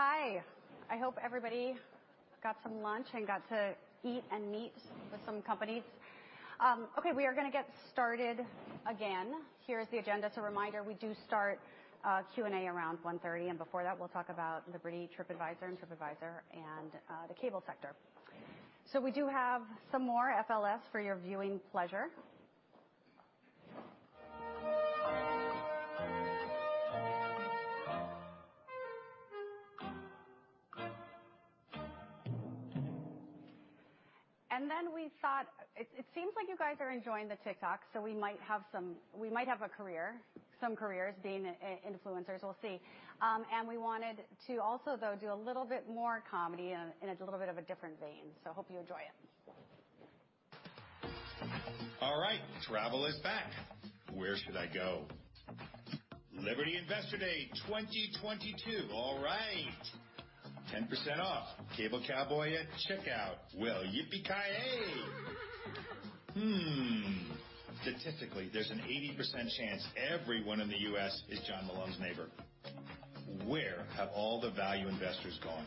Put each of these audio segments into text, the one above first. Hi. I hope everybody got some lunch and got to eat and meet with some companies. Okay, we are gonna get started again. Here is the agenda. As a reminder, we do start Q&A around 1:30 P.M., and before that we'll talk about Liberty Tripadvisor and Tripadvisor and the cable sector. We do have some more FLFs for your viewing pleasure. It seems like you guys are enjoying the TikTok. We might have some careers being influencers, we'll see. We wanted to also, though, do a little bit more comedy in a little bit of a different vein. Hope you enjoy it. All right, travel is back. Where should I go? Liberty Investor Day 2022. All right. 10% off. Cable Cowboy at checkout. Well, yippee-ki-yay. Hmm. Statistically, there's an 80% chance everyone in the U.S. is John Malone's neighbor. Where have all the value investors gone?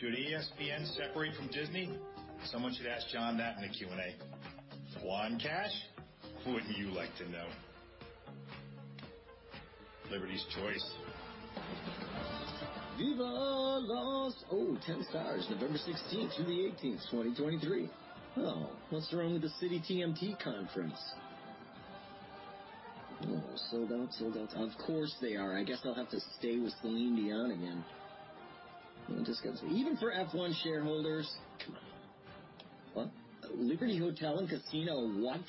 Should ESPN separate from Disney? Someone should ask John that in the Q&A. Tripadvisor? Wouldn't you like to know. Liberty's choice. Viva Las Otenstars, November 16th through the 18th, 2023. Oh, what's wrong with the Citi TMT Conference? Oh, sold out. Of course they are. I guess I'll have to stay with Celine Dion again. Even for F1 shareholders. Come on. What? Liberty Hotel and Casino what?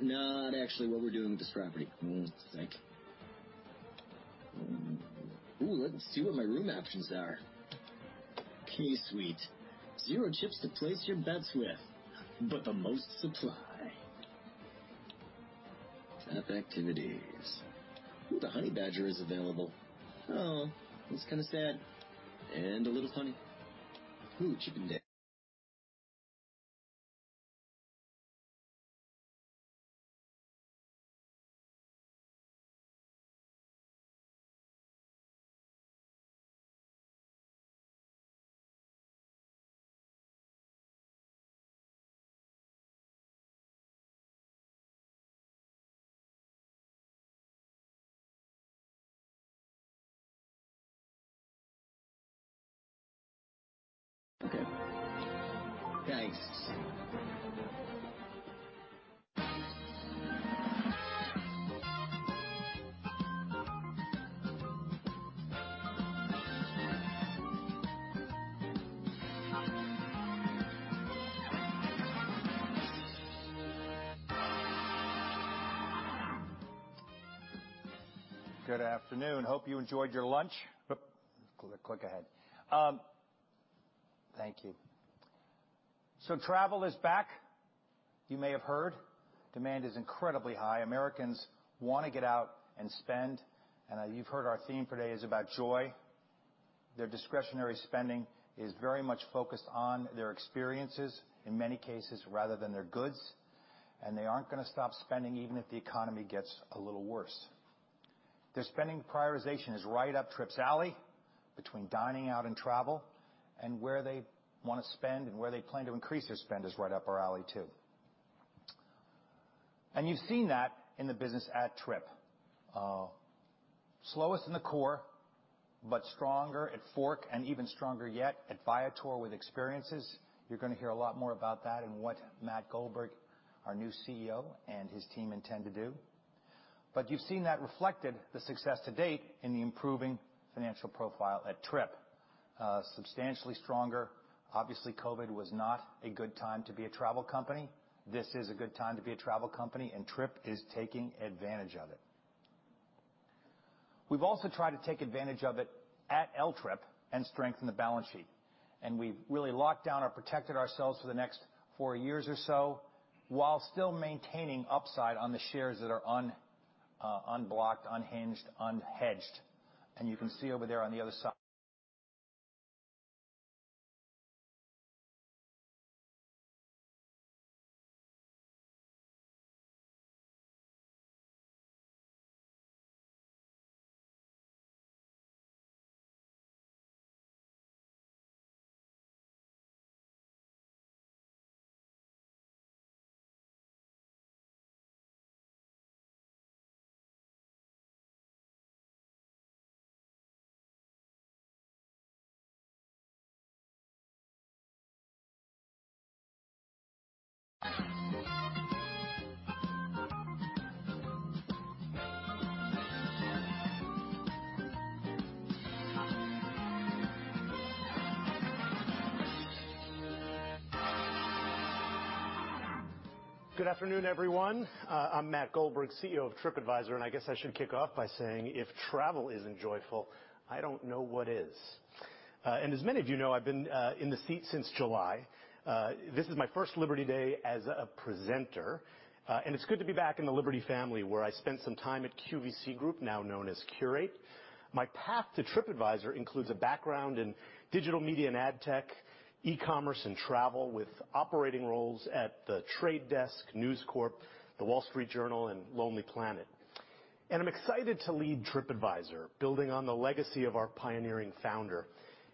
Not actually what we're doing with this property. Hmm, sick. Ooh, let's see what my room options are. K-Suite. Zero chips to place your bets with, but the most supply. Top activities. Oh, the honey badger is available. Oh, that's kind of sad and a little funny. Okay. Thanks. Good afternoon. Hope you enjoyed your lunch. Click, click ahead. Thank you. Travel is back. You may have heard. Demand is incredibly high. Americans wanna get out and spend. You've heard our theme today is about joy. Their discretionary spending is very much focused on their experiences in many cases, rather than their goods, and they aren't gonna stop spending even if the economy gets a little worse. Their spending prioritization is right up Trip's alley between dining out and travel, and where they wanna spend and where they plan to increase their spend is right up our alley too. You've seen that in the business at Trip. Slowest in the core, but stronger at TheFork and even stronger yet at Viator with experiences. You're gonna hear a lot more about that and what Matt Goldberg, our new CEO, and his team intend to do. You've seen that reflected the success to date in the improving financial profile at Trip. Substantially stronger. Obviously, COVID was not a good time to be a travel company. This is a good time to be a travel company, and Trip is taking advantage of it. We've also tried to take advantage of it at L-Trip and strengthen the balance sheet, and we've really locked down or protected ourselves for the next four years or so, while still maintaining upside on the shares that are unblocked, unhinged, unhedged. You can see over there. Good afternoon, everyone. I'm Matt Goldberg, CEO of Tripadvisor, and I guess I should kick off by saying if travel isn't joyful, I don't know what is. As many of you know, I've been in the seat since July. This is my first Liberty Day as a presenter, and it's good to be back in the Liberty family, where I spent some time at QVC Group, now known as Qurate. My path to Tripadvisor includes a background in digital media and ad tech, e-commerce and travel, with operating roles at The Trade Desk, News Corp, The Wall Street Journal, and Lonely Planet. I'm excited to lead Tripadvisor, building on the legacy of our pioneering founder.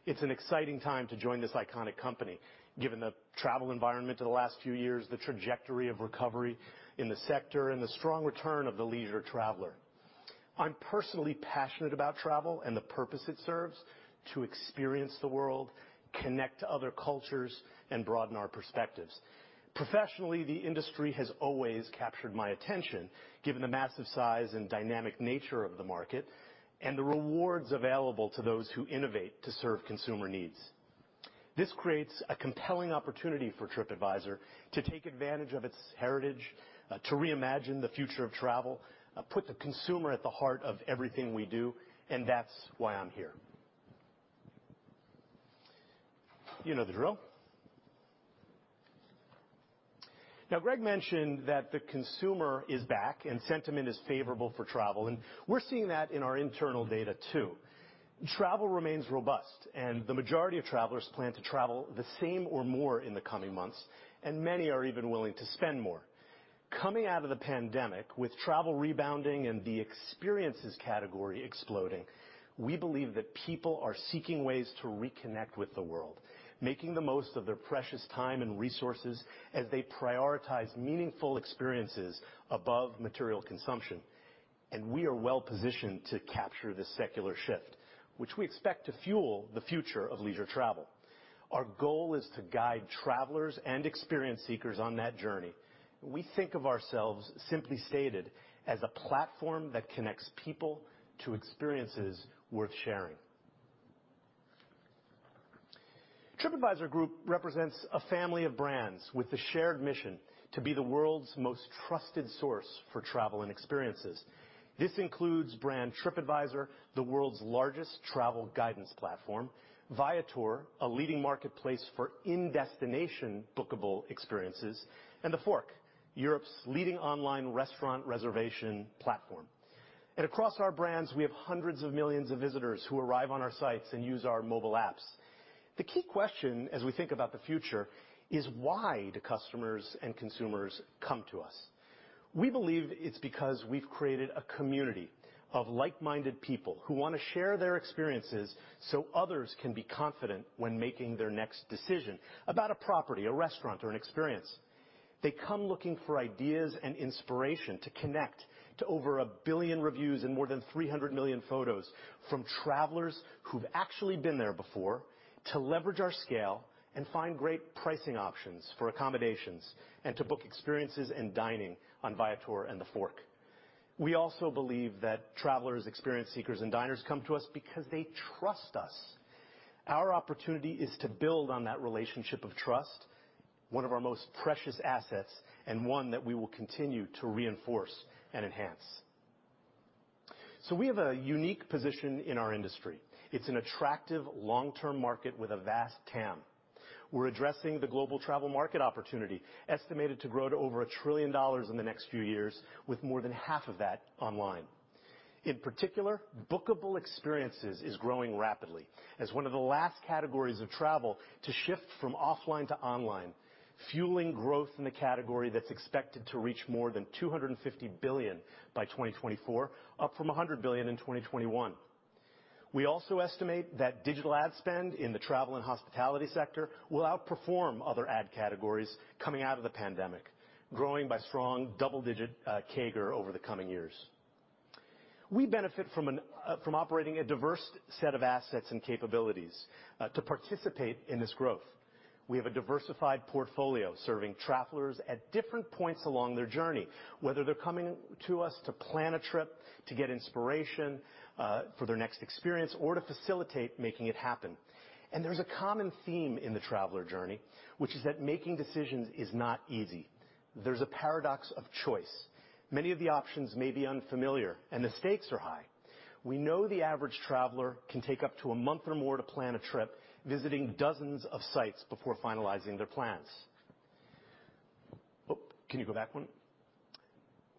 It's an exciting time to join this iconic company, given the travel environment of the last few years, the trajectory of recovery in the sector, and the strong return of the leisure traveler. I'm personally passionate about travel and the purpose it serves to experience the world, connect to other cultures, and broaden our perspectives. Professionally, the industry has always captured my attention, given the massive size and dynamic nature of the market and the rewards available to those who innovate to serve consumer needs. This creates a compelling opportunity for Tripadvisor to take advantage of its heritage to reimagine the future of travel, put the consumer at the heart of everything we do, and that's why I'm here. You know the drill. Now, Greg Maffei mentioned that the consumer is back and sentiment is favorable for travel, and we're seeing that in our internal data, too. Travel remains robust, and the majority of travelers plan to travel the same or more in the coming months, and many are even willing to spend more. Coming out of the pandemic, with travel rebounding and the experiences category exploding, we believe that people are seeking ways to reconnect with the world, making the most of their precious time and resources as they prioritize meaningful experiences above material consumption. We are well-positioned to capture this secular shift, which we expect to fuel the future of leisure travel. Our goal is to guide travelers and experience seekers on that journey. We think of ourselves, simply stated, as a platform that connects people to experiences worth sharing. Tripadvisor Group represents a family of brands with the shared mission to be the world's most trusted source for travel and experiences. This includes brand Tripadvisor, the world's largest travel guidance platform, Viator, a leading marketplace for in-destination bookable experiences, and TheFork, Europe's leading online restaurant reservation platform. Across our brands, we have hundreds of millions of visitors who arrive on our sites and use our mobile apps. The key question as we think about the future is why do customers and consumers come to us? We believe it's because we've created a community of like-minded people who wanna share their experiences, so others can be confident when making their next decision about a property, a restaurant, or an experience. They come looking for ideas and inspiration to connect to over 1 billion reviews and more than 300 million photos from travelers who've actually been there before to leverage our scale and find great pricing options for accommodations and to book experiences and dining on Viator and TheFork. We also believe that travelers, experience seekers, and diners come to us because they trust us. Our opportunity is to build on that relationship of trust, one of our most precious assets, and one that we will continue to reinforce and enhance. We have a unique position in our industry. It's an attractive long-term market with a vast TAM. We're addressing the global travel market opportunity, estimated to grow to over $1 trillion in the next few years, with more than half of that online. In particular, bookable experiences is growing rapidly as one of the last categories of travel to shift from offline to online, fueling growth in the category that's expected to reach more than $250 billion by 2024, up from $100 billion in 2021. We also estimate that digital ad spend in the travel and hospitality sector will outperform other ad categories coming out of the pandemic, growing by strong double-digit CAGR over the coming years. We benefit from operating a diverse set of assets and capabilities to participate in this growth. We have a diversified portfolio serving travelers at different points along their journey, whether they're coming to us to plan a trip, to get inspiration for their next experience, or to facilitate making it happen. There's a common theme in the traveler journey, which is that making decisions is not easy. There's a paradox of choice. Many of the options may be unfamiliar, and the stakes are high. We know the average traveler can take up to a month or more to plan a trip, visiting dozens of sites before finalizing their plans. Oh, can you go back one?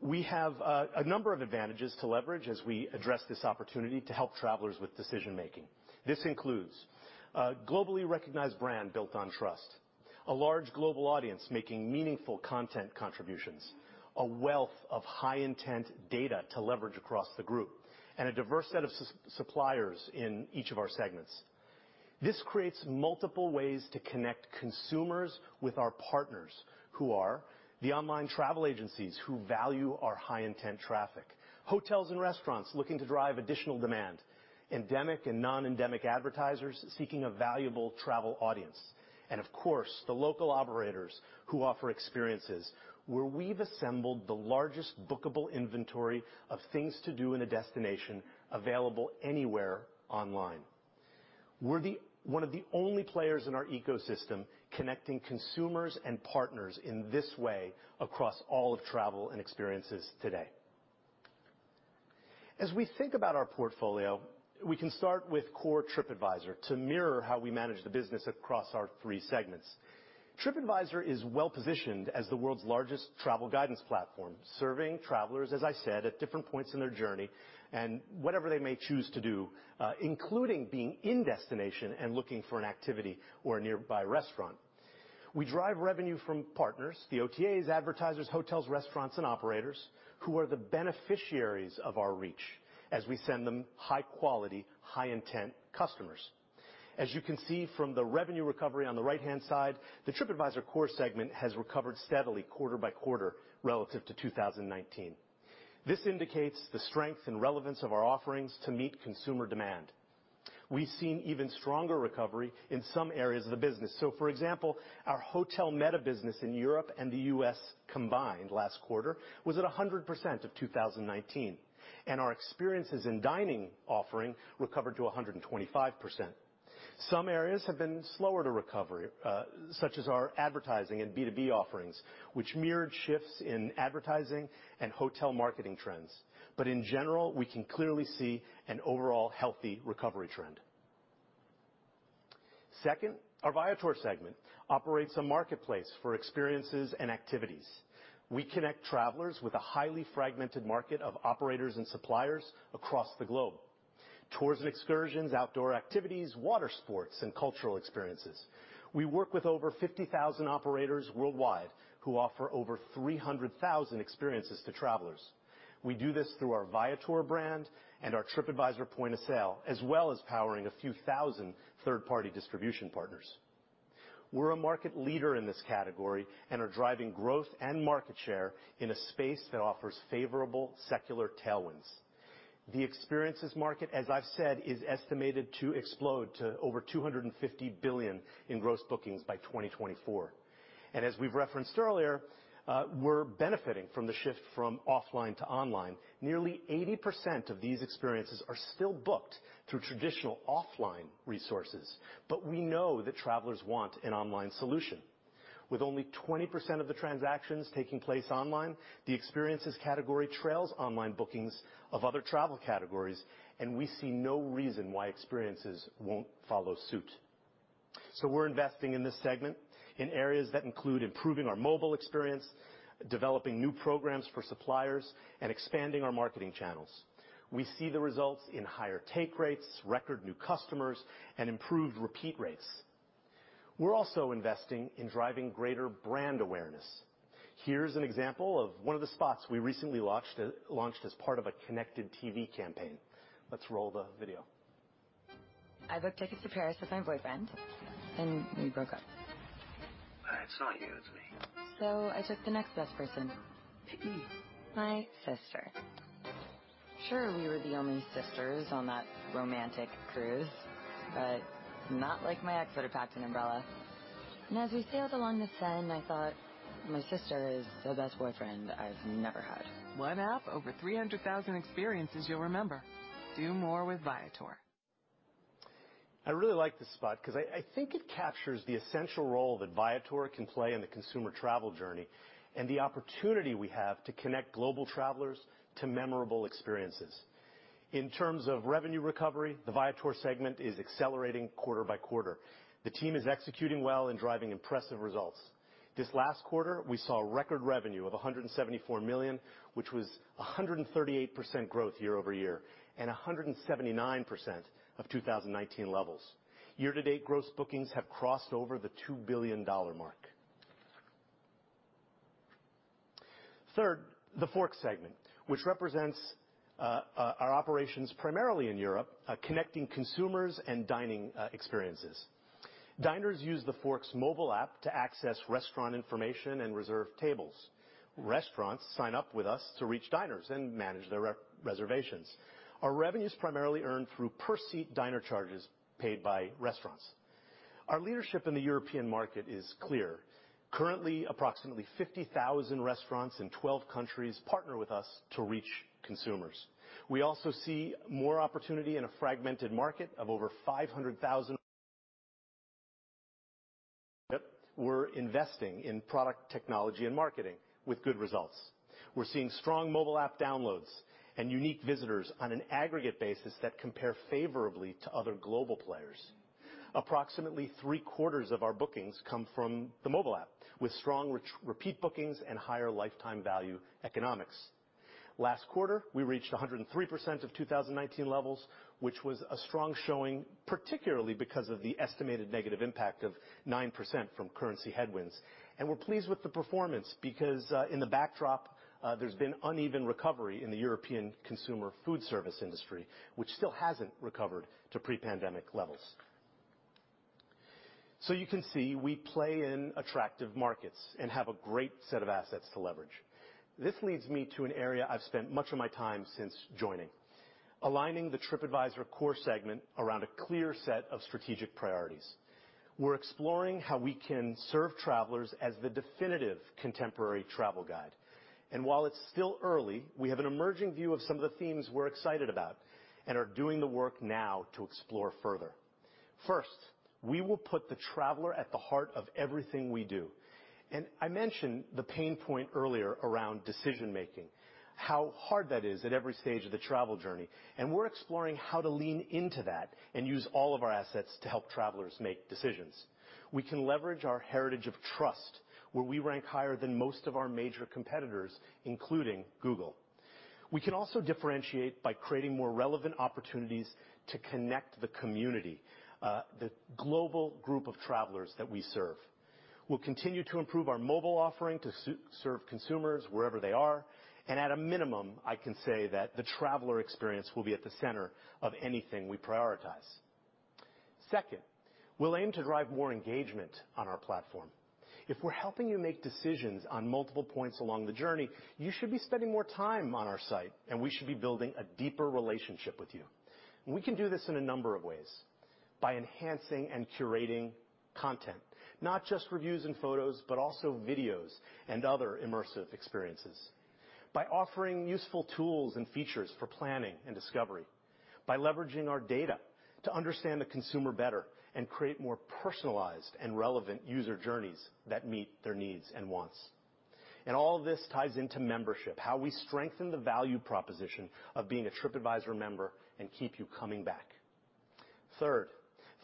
We have a number of advantages to leverage as we address this opportunity to help travelers with decision-making. This includes a globally recognized brand built on trust, a large global audience making meaningful content contributions, a wealth of high-intent data to leverage across the group, and a diverse set of suppliers in each of our segments. This creates multiple ways to connect consumers with our partners, who are the online travel agencies who value our high-intent traffic, hotels and restaurants looking to drive additional demand, endemic and non-endemic advertisers seeking a valuable travel audience, and of course, the local operators who offer experiences, where we've assembled the largest bookable inventory of things to do in a destination available anywhere online. We're one of the only players in our ecosystem connecting consumers and partners in this way across all of travel and experiences today. As we think about our portfolio, we can start with core Tripadvisor to mirror how we manage the business across our three segments. Tripadvisor is well-positioned as the world's largest travel guidance platform, serving travelers, as I said, at different points in their journey and whatever they may choose to do, including being in destination and looking for an activity or a nearby restaurant. We drive revenue from partners, the OTAs, advertisers, hotels, restaurants, and operators, who are the beneficiaries of our reach as we send them high-quality, high-intent customers. As you can see from the revenue recovery on the right-hand side, the Tripadvisor core segment has recovered steadily quarter by quarter relative to 2019. This indicates the strength and relevance of our offerings to meet consumer demand. We've seen even stronger recovery in some areas of the business. For example, our hotel meta business in Europe and the U.S. combined last quarter was at 100% of 2019. Our experiences in dining offering recovered to 125%. Some areas have been slower to recovery, such as our advertising and B2B offerings, which mirrored shifts in advertising and hotel marketing trends. In general, we can clearly see an overall healthy recovery trend. Second, our Viator segment operates a marketplace for experiences and activities. We connect travelers with a highly fragmented market of operators and suppliers across the globe. Tours and excursions, outdoor activities, water sports, and cultural experiences. We work with over 50,000 operators worldwide who offer over 300,000 experiences to travelers. We do this through our Viator brand and our Tripadvisor point of sale, as well as powering a few thousand third-party distribution partners. We're a market leader in this category and are driving growth and market share in a space that offers favorable secular tailwinds. The experiences market, as I've said, is estimated to explode to over $250 billion in gross bookings by 2024. As we've referenced earlier, we're benefiting from the shift from offline to online. Nearly 80% of these experiences are still booked through traditional offline resources, but we know that travelers want an online solution. With only 20% of the transactions taking place online, the experiences category trails online bookings of other travel categories, and we see no reason why experiences won't follow suit. We're investing in this segment in areas that include improving our mobile experience, developing new programs for suppliers, and expanding our marketing channels. We see the results in higher take rates, record new customers, and improved repeat rates. We're also investing in driving greater brand awareness. Here's an example of one of the spots we recently launched as part of a connected T.V. campaign. Let's roll the video. I booked tickets to Paris with my boyfriend, and we broke up. It's not you, it's me. I took the next best person, my sister. Sure, we were the only sisters on that romantic cruise, but not like my ex would have packed an umbrella. As we sailed along the Seine, I thought, my sister is the best boyfriend I've never had. One app, over 300,000 experiences you'll remember. Do more with Viator. I really like this spot because I think it captures the essential role that Viator can play in the consumer travel journey and the opportunity we have to connect global travelers to memorable experiences. In terms of revenue recovery, the Viator segment is accelerating quarter-by-quarter. The team is executing well and driving impressive results. This last quarter, we saw record revenue of $174 million, which was 138% growth year-over-year, and 179% of 2019 levels. Year-to-date gross bookings have crossed over the $2 billion mark. Third, TheFork segment, which represents our operations primarily in Europe, connecting consumers and dining experiences. Diners use TheFork mobile app to access restaurant information and reserve tables. Restaurants sign up with us to reach diners and manage their reservations. Our revenue is primarily earned through per seat diner charges paid by restaurants. Our leadership in the European market is clear. Currently, approximately 50,000 restaurants in 12 countries partner with us to reach consumers. We also see more opportunity in a fragmented market of over 500,000. We're investing in product technology and marketing with good results. We're seeing strong mobile app downloads and unique visitors on an aggregate basis that compare favorably to other global players. Approximately 3/4 of our bookings come from the mobile app with strong repeat bookings and higher lifetime value economics. Last quarter, we reached 103% of 2019 levels, which was a strong showing, particularly because of the estimated negative impact of 9% from currency headwinds. We're pleased with the performance because in the backdrop, there's been uneven recovery in the European consumer food service industry, which still hasn't recovered to pre-pandemic levels. You can see, we play in attractive markets and have a great set of assets to leverage. This leads me to an area I've spent much of my time since joining. Aligning the Tripadvisor core segment around a clear set of strategic priorities. We're exploring how we can serve travelers as the definitive contemporary travel guide. While it's still early, we have an emerging view of some of the themes we're excited about and are doing the work now to explore further. First, we will put the traveler at the heart of everything we do. I mentioned the pain point earlier around decision-making, how hard that is at every stage of the travel journey. We're exploring how to lean into that and use all of our assets to help travelers make decisions. We can leverage our heritage of trust, where we rank higher than most of our major competitors, including Google. We can also differentiate by creating more relevant opportunities to connect the community, the global group of travelers that we serve. We'll continue to improve our mobile offering to serve consumers wherever they are, and at a minimum, I can say that the traveler experience will be at the center of anything we prioritize. Second, we'll aim to drive more engagement on our platform. If we're helping you make decisions on multiple points along the journey, you should be spending more time on our site, and we should be building a deeper relationship with you. We can do this in a number of ways by enhancing and curating content, not just reviews and photos, but also videos and other immersive experiences. By offering useful tools and features for planning and discovery, by leveraging our data to understand the consumer better and create more personalized and relevant user journeys that meet their needs and wants. All of this ties into membership, how we strengthen the value proposition of being a Tripadvisor member and keep you coming back. Third,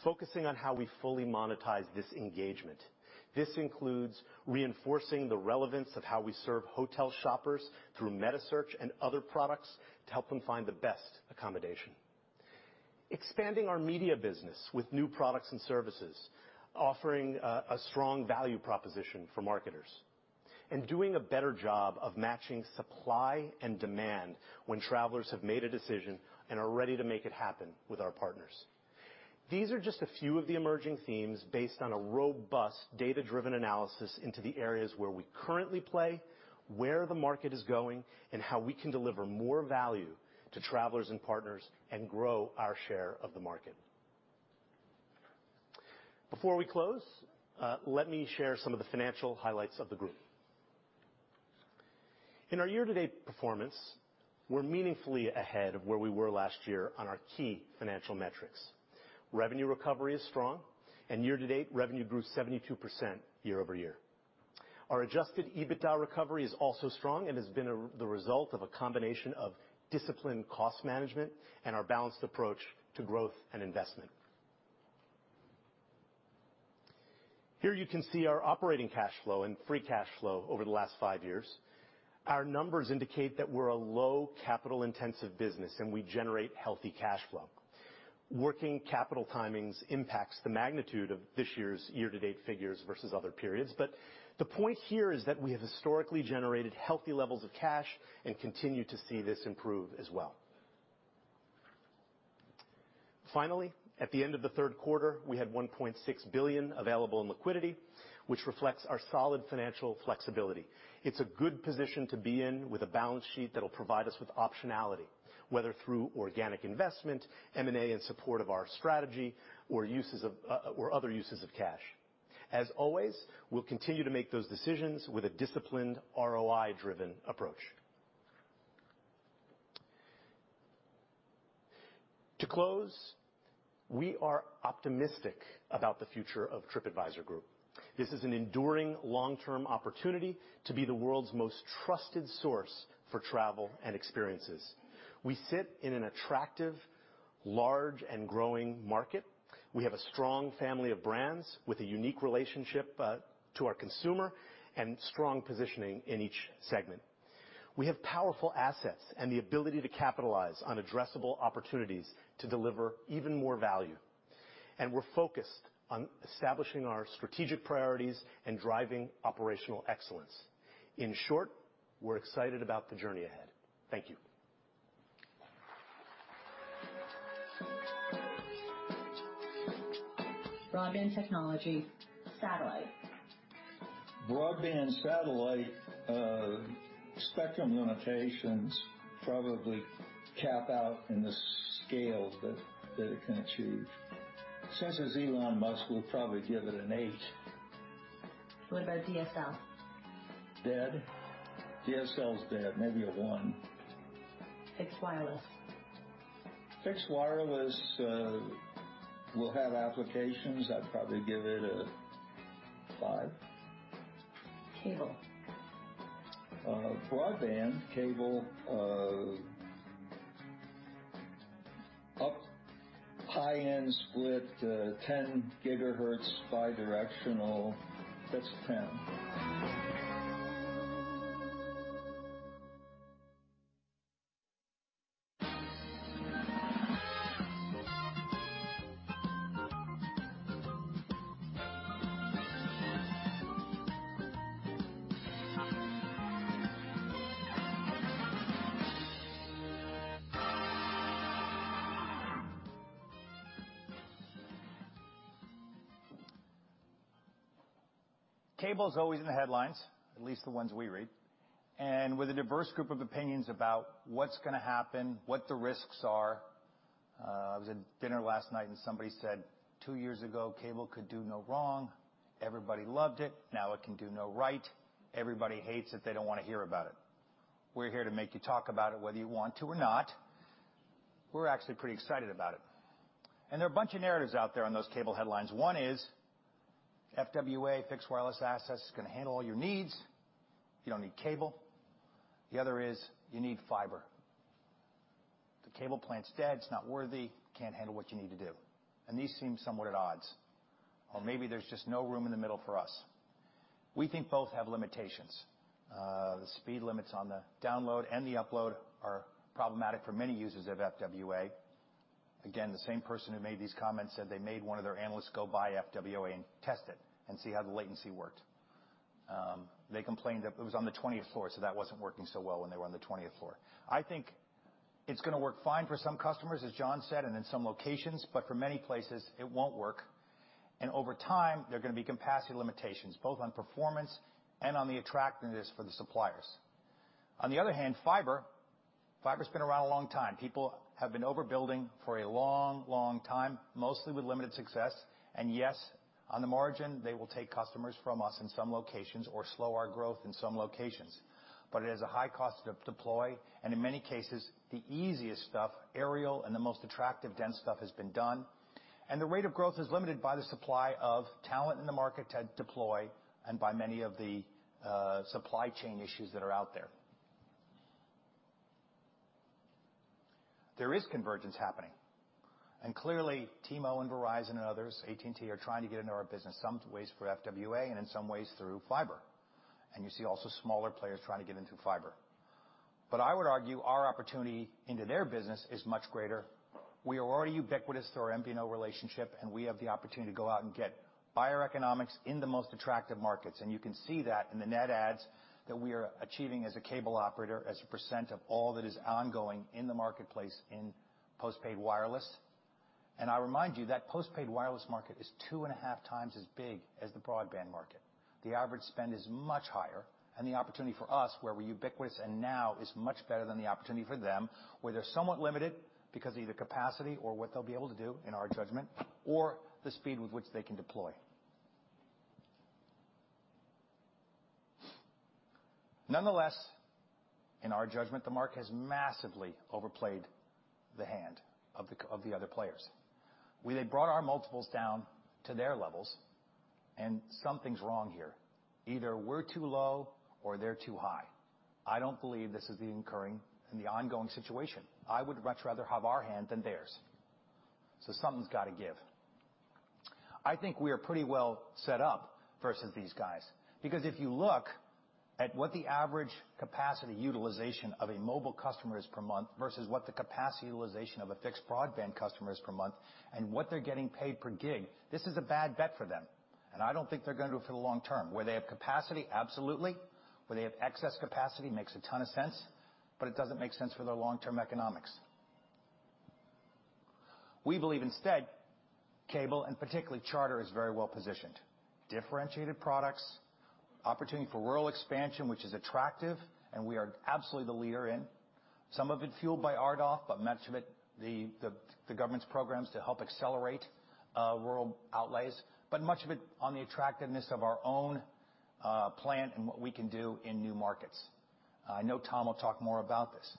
focusing on how we fully monetize this engagement. This includes reinforcing the relevance of how we serve hotel shoppers through meta search and other products to help them find the best accommodation. Expanding our media business with new products and services, offering a strong value proposition for marketers. Doing a better job of matching supply and demand when travelers have made a decision and are ready to make it happen with our partners. These are just a few of the emerging themes based on a robust, data-driven analysis into the areas where we currently play, where the market is going, and how we can deliver more value to travelers and partners and grow our share of the market. Before we close, let me share some of the financial highlights of the group. In our year-to-date performance, we're meaningfully ahead of where we were last year on our key financial metrics. Revenue recovery is strong, and year-to-date revenue grew 72% year-over-year. Our adjusted EBITDA recovery is also strong and has been the result of a combination of disciplined cost management and our balanced approach to growth and investment. Here you can see our operating cash flow and free cash flow over the last five years. Our numbers indicate that we're a low capital-intensive business, and we generate healthy cash flow. Working capital timings impacts the magnitude of this year's year-to-date figures versus other periods, but the point here is that we have historically generated healthy levels of cash and continue to see this improve as well. Finally, at the end of the third quarter, we had $1.6 billion available in liquidity, which reflects our solid financial flexibility. It's a good position to be in with a balance sheet that'll provide us with optionality, whether through organic investment, M&A in support of our strategy or other uses of cash. As always, we'll continue to make those decisions with a disciplined ROI-driven approach. To close, we are optimistic about the future of Tripadvisor Group. This is an enduring long-term opportunity to be the world's most trusted source for travel and experiences. We sit in an attractive, large, and growing market. We have a strong family of brands with a unique relationship to our consumer and strong positioning in each segment. We have powerful assets and the ability to capitalize on addressable opportunities to deliver even more value, and we're focused on establishing our strategic priorities and driving operational excellence. In short, we're excited about the journey ahead. Thank you. Broadband technology, satellite. Broadband satellite spectrum limitations probably cap out in the scale that it can achieve. Since it's Elon Musk, we'll probably give it an eight. What about DSL? Dead. DSL is dead. Maybe a one. Fixed wireless. Fixed wireless will have applications. I'd probably give it a five. Cable. Broadband cable, high-split, 10 GHz. That's 10. Cable's always in the headlines, at least the ones we read, and with a diverse group of opinions about what's gonna happen, what the risks are. I was at dinner last night, and somebody said, two years ago, cable could do no wrong. Everybody loved it. Now it can do no right. Everybody hates it. They don't wanna hear about it. We're here to make you talk about it whether you want to or not. We're actually pretty excited about it. There are a bunch of narratives out there on those cable headlines. One is, FWA, fixed wireless access, can handle all your needs. You don't need cable. The other is you need fiber. The cable plant's dead, it's not worthy, can't handle what you need to do. These seem somewhat at odds. Maybe there's just no room in the middle for us. We think both have limitations. The speed limits on the download and the upload are problematic for many users of FWA. Again, the same person who made these comments said they made one of their analysts go buy FWA and test it and see how the latency worked. They complained that it was on the 20th floor, so that wasn't working so well when they were on the 20th floor. I think it's gonna work fine for some customers, as John said, and in some locations, but for many places it won't work. Over time, there are gonna be capacity limitations, both on performance and on the attractiveness for the suppliers. On the other hand, fiber's been around a long time. People have been overbuilding for a long time, mostly with limited success. Yes, on the margin, they will take customers from us in some locations or slow our growth in some locations. It is a high cost to deploy, and in many cases, the easiest stuff, aerial and the most attractive dense stuff has been done, and the rate of growth is limited by the supply of talent in the market to deploy and by many of the supply chain issues that are out there. There is convergence happening. Clearly T-Mobile and Verizon and others, AT&T, are trying to get into our business, some ways through FWA and in some ways through fiber. You see also smaller players trying to get into fiber. I would argue our opportunity into their business is much greater. We are already ubiquitous through our MVNO relationship, and we have the opportunity to go out and get better economics in the most attractive markets. You can see that in the net adds that we are achieving as a cable operator, as a percent of all that is ongoing in the marketplace in post-paid wireless. I remind you that post-paid wireless market is 2.5x as big as the broadband market. The average spend is much higher, and the opportunity for us, where we're ubiquitous and now is much better than the opportunity for them, where they're somewhat limited because of either capacity or what they'll be able to do, in our judgment, or the speed with which they can deploy. Nonetheless, in our judgment, the market has massively overplayed the hand of the other players. We then brought our multiples down to their levels and something's wrong here. Either we're too low or they're too high. I don't believe this is the enduring and the ongoing situation. I would much rather have our hand than theirs. Something's gotta give. I think we are pretty well set up versus these guys, because if you look at what the average capacity utilization of a mobile customer is per month versus what the capacity utilization of a fixed broadband customer is per month and what they're getting paid per gig, this is a bad bet for them. I don't think they're gonna do it for the long term. Where they have capacity, absolutely. Where they have excess capacity, makes a ton of sense, but it doesn't make sense for their long-term economics. We believe instead, cable, and particularly Charter, is very well-positioned. Differentiated products, opportunity for rural expansion, which is attractive, and we are absolutely the leader in. Some of it fueled by RDOF, but much of it the government's programs to help accelerate rural outlays, but much of it on the attractiveness of our own plan and what we can do in new markets. I know Tom will talk more about this.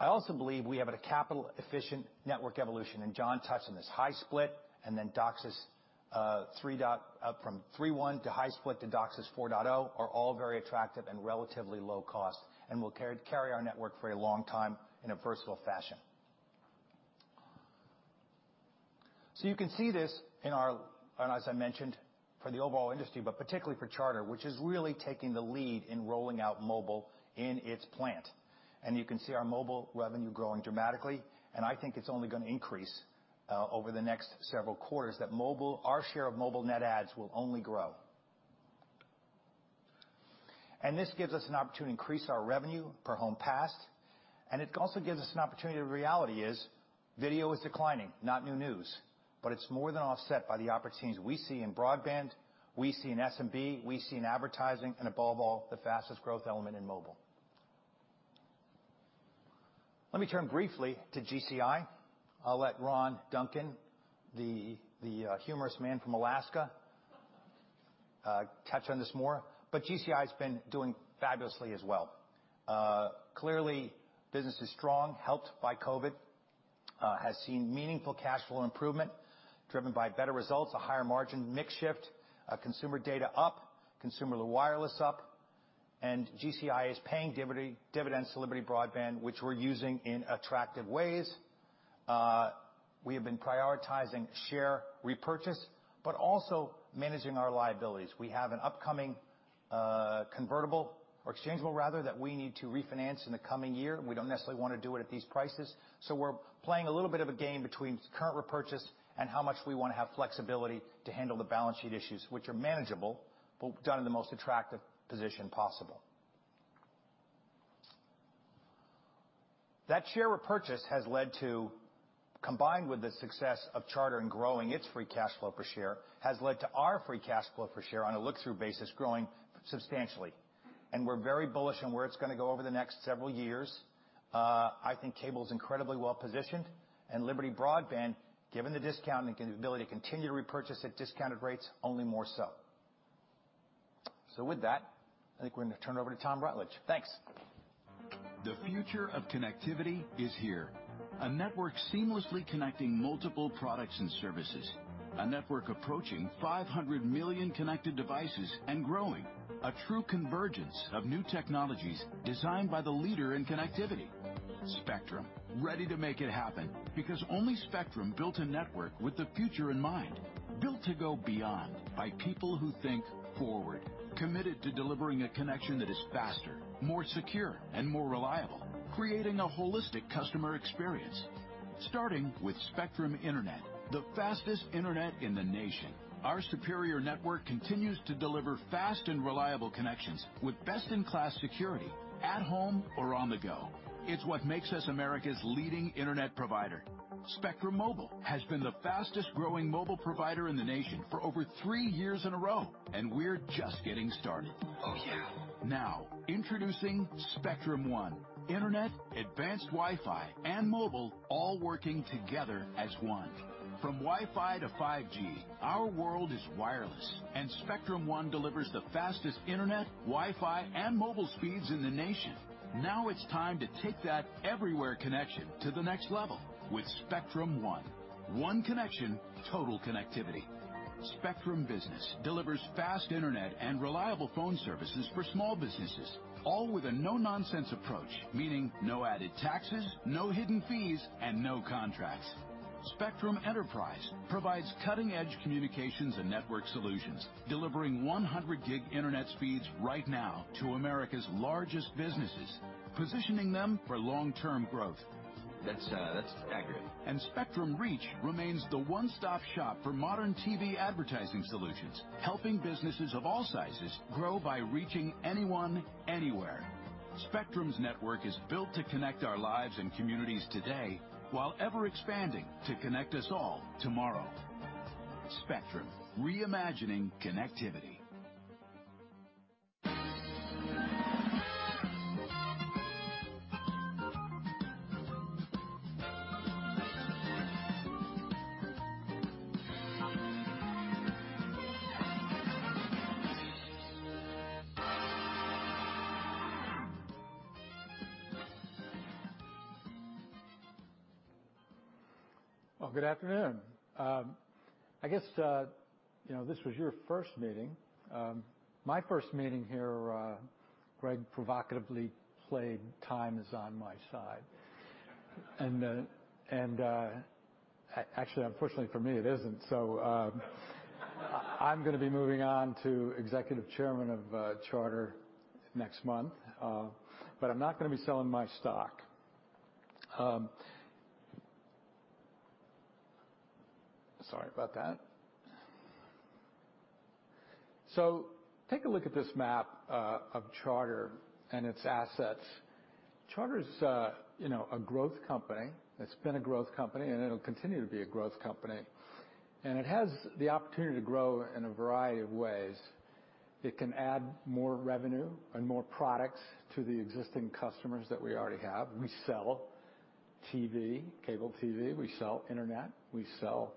I also believe we have a capital-efficient network evolution, and John touched on this. High-split and then DOCSIS 3.1 to high-split to DOCSIS 4.0 are all very attractive and relatively low cost and will carry our network for a long time in a versatile fashion. As I mentioned, for the overall industry, but particularly for Charter, which is really taking the lead in rolling out mobile in its plant. You can see our mobile revenue growing dramatically, and I think it's only gonna increase over the next several quarters, that our share of mobile net adds will only grow. This gives us an opportunity to increase our revenue per home passed, and it also gives us an opportunity. The reality is video is declining, not new news, but it's more than offset by the opportunities we see in broadband, we see in SMB, we see in advertising, and above all, the fastest growth element in mobile. Let me turn briefly to GCI. I'll let Ron Duncan, the humorous man from Alaska, touch on this more. GCI's been doing fabulously as well. Clearly business is strong, helped by COVID, has seen meaningful cash flow improvement driven by better results, a higher margin mix shift, consumer data up, consumer wireless up, and GCI is paying dividends to Liberty Broadband, which we're using in attractive ways. We have been prioritizing share repurchase, but also managing our liabilities. We have an upcoming convertible or exchangeable rather, that we need to refinance in the coming year, and we don't necessarily wanna do it at these prices. We're playing a little bit of a game between current repurchase and how much we wanna have flexibility to handle the balance sheet issues, which are manageable, but done in the most attractive position possible. That share repurchase, combined with the success of Charter in growing its free cash flow per share, has led to our free cash flow per share on a look-through basis growing substantially. We're very bullish on where it's gonna go over the next several years. I think cable's incredibly well-positioned and Liberty Broadband, given the discount and the ability to continue to repurchase at discounted rates, only more so. With that, I think we're gonna turn it over to Tom Rutledge. Thanks. The future of connectivity is here. A network seamlessly connecting multiple products and services. A network approaching 500 million connected devices and growing. A true convergence of new technologies designed by the leader in connectivity. Spectrum, ready to make it happen because only Spectrum built a network with the future in mind, built to go beyond by people who think forward, committed to delivering a connection that is faster, more secure and more reliable, creating a holistic customer experience. Starting with Spectrum Internet, the fastest internet in the nation. Our superior network continues to deliver fast and reliable connections with best-in-class security at home or on the go. It's what makes us America's leading internet provider. Spectrum Mobile has been the fastest-growing mobile provider in the nation for over three years in a row, and we're just getting started. Oh, yeah. Now introducing Spectrum One. Internet, advanced Wi-Fi, and mobile all working together as one. From Wi-Fi to 5G, our world is wireless, and Spectrum One delivers the fastest internet, Wi-Fi, and mobile speeds in the nation. Now it's time to take that everywhere connection to the next level with Spectrum One. One connection, total connectivity. Spectrum Business delivers fast internet and reliable phone services for small businesses, all with a no-nonsense approach, meaning no added taxes, no hidden fees, and no contracts. Spectrum Enterprise provides cutting-edge communications and network solutions, delivering 100 gig internet speeds right now to America's largest businesses, positioning them for long-term growth. That's accurate. Spectrum Reach remains the one-stop shop for modern TV advertising solutions, helping businesses of all sizes grow by reaching anyone, anywhere. Spectrum's network is built to connect our lives and communities today while ever-expanding to connect us all tomorrow. Spectrum, reimagining connectivity. Well, good afternoon. I guess, you know, this was your first meeting. My first meeting here, Greg provocatively played Time Is on My Side. Actually, unfortunately for me, it isn't so. I'm gonna be moving on to Executive Chairman of Charter next month, but I'm not gonna be selling my stock. Sorry about that. Take a look at this map of Charter and its assets. Charter's, you know, a growth company. It's been a growth company, and it'll continue to be a growth company. It has the opportunity to grow in a variety of ways. It can add more revenue and more products to the existing customers that we already have. We sell T.V., cable T.V., we sell internet, we sell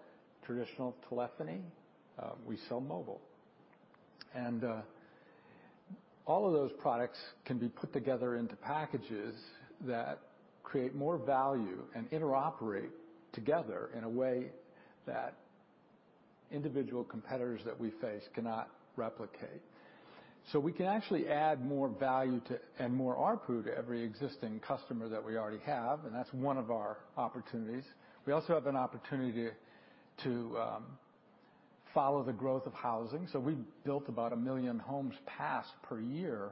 traditional telephony, we sell mobile. All of those products can be put together into packages that create more value and interoperate together in a way that individual competitors that we face cannot replicate. We can actually add more value to, and more ARPU to every existing customer that we already have, and that's one of our opportunities. We also have an opportunity to follow the growth of housing, so we built about 1 million homes passed per year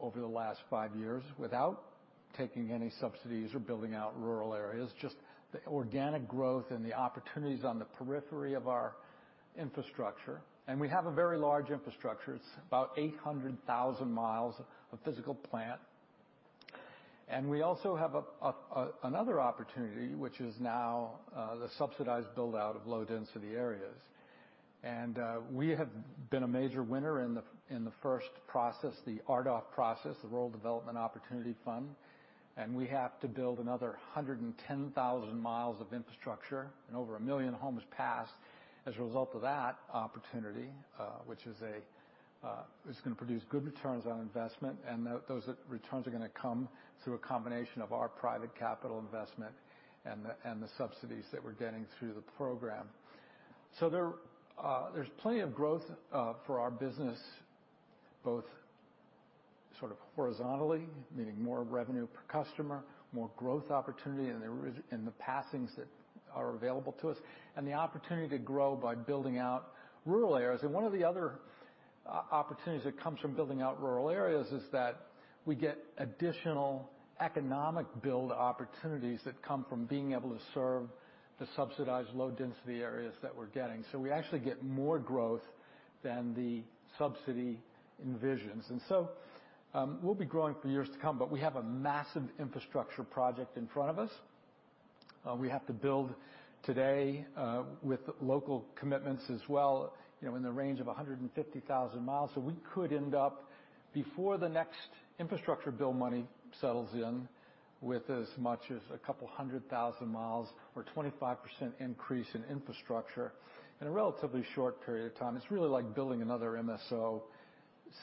over the last five years without taking any subsidies or building out rural areas, just the organic growth and the opportunities on the periphery of our infrastructure. We have a very large infrastructure. It's about 800,000 mi of physical plant. We also have another opportunity, which is now the subsidized build-out of low-density areas. We have been a major winner in the first process, the RDOF process, the Rural Digital Opportunity Fund, and we have to build another 110,000 mi of infrastructure and over 1 million homes passed as a result of that opportunity, which is gonna produce good returns on investment. Those returns are gonna come through a combination of our private capital investment and the subsidies that we're getting through the program. There's plenty of growth for our business, both sort of horizontally, meaning more revenue per customer, more growth opportunity in the passings that are available to us, and the opportunity to grow by building out rural areas. One of the other opportunities that comes from building out rural areas is that we get additional economic build opportunities that come from being able to serve the subsidized low-density areas that we're getting. We actually get more growth than the subsidy envisions. We'll be growing for years to come, but we have a massive infrastructure project in front of us. We have to build today with local commitments as well, you know, in the range of 150,000 mi. We could end up, before the next infrastructure bill money settles in, with as much as 200,000 mi or 25% increase in infrastructure in a relatively short period of time. It's really like building another MSO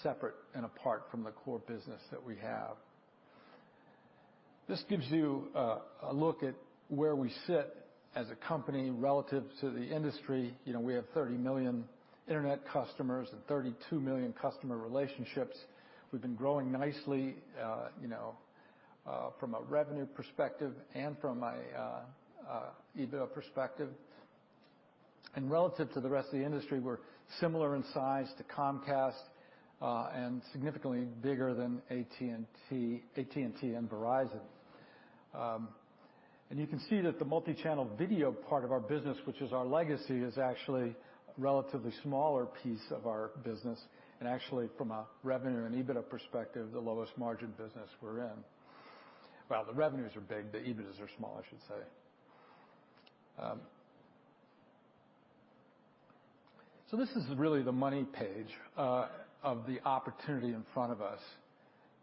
separate and apart from the core business that we have. This gives you a look at where we sit as a company relative to the industry. You know, we have 30 million internet customers and 32 million customer relationships. We've been growing nicely, you know, from a revenue perspective and from a EBITDA perspective. Relative to the rest of the industry, we're similar in size to Comcast and significantly bigger than AT&T and Verizon. You can see that the multichannel video part of our business, which is our legacy, is actually a relatively smaller piece of our business. Actually from a revenue and EBITDA perspective, the lowest margin business we're in. Well, the revenues are big, the EBITDAs are small, I should say. This is really the money page of the opportunity in front of us.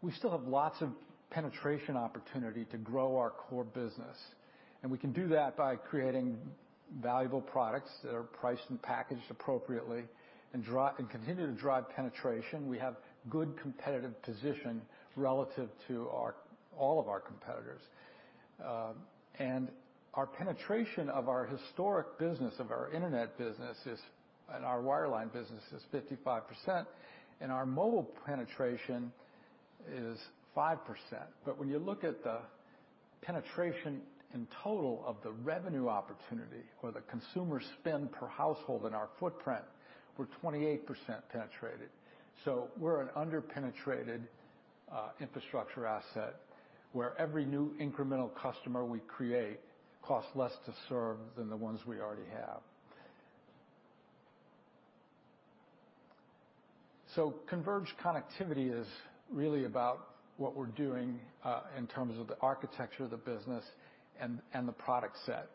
We still have lots of penetration opportunity to grow our core business, and we can do that by creating valuable products that are priced and packaged appropriately and continue to drive penetration. We have good competitive position relative to all of our competitors. Our penetration of our historic business, of our internet business, and our wireline business is 55%, and our mobile penetration is 5%. When you look at the penetration in total of the revenue opportunity or the consumer spend per household in our footprint, we're 28% penetrated. We're an under-penetrated infrastructure asset, where every new incremental customer we create costs less to serve than the ones we already have. Converged connectivity is really about what we're doing in terms of the architecture of the business and the product set.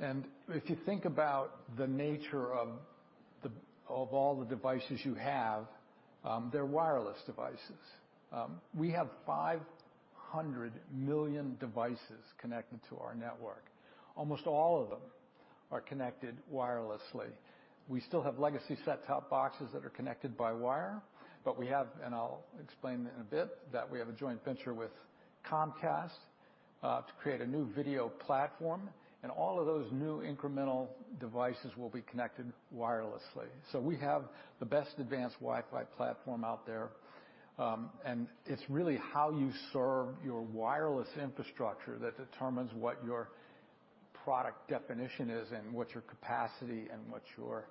If you think about the nature of all the devices you have, they're wireless devices. We have 500 million devices connected to our network. Almost all of them are connected wirelessly. We still have legacy set-top boxes that are connected by wire, but, and I'll explain in a bit, that we have a joint venture with Comcast to create a new video platform. All of those new incremental devices will be connected wirelessly. We have the best Advanced Wi-Fi platform out there. It's really how you serve your wireless infrastructure that determines what your product definition is and what your capacity and what your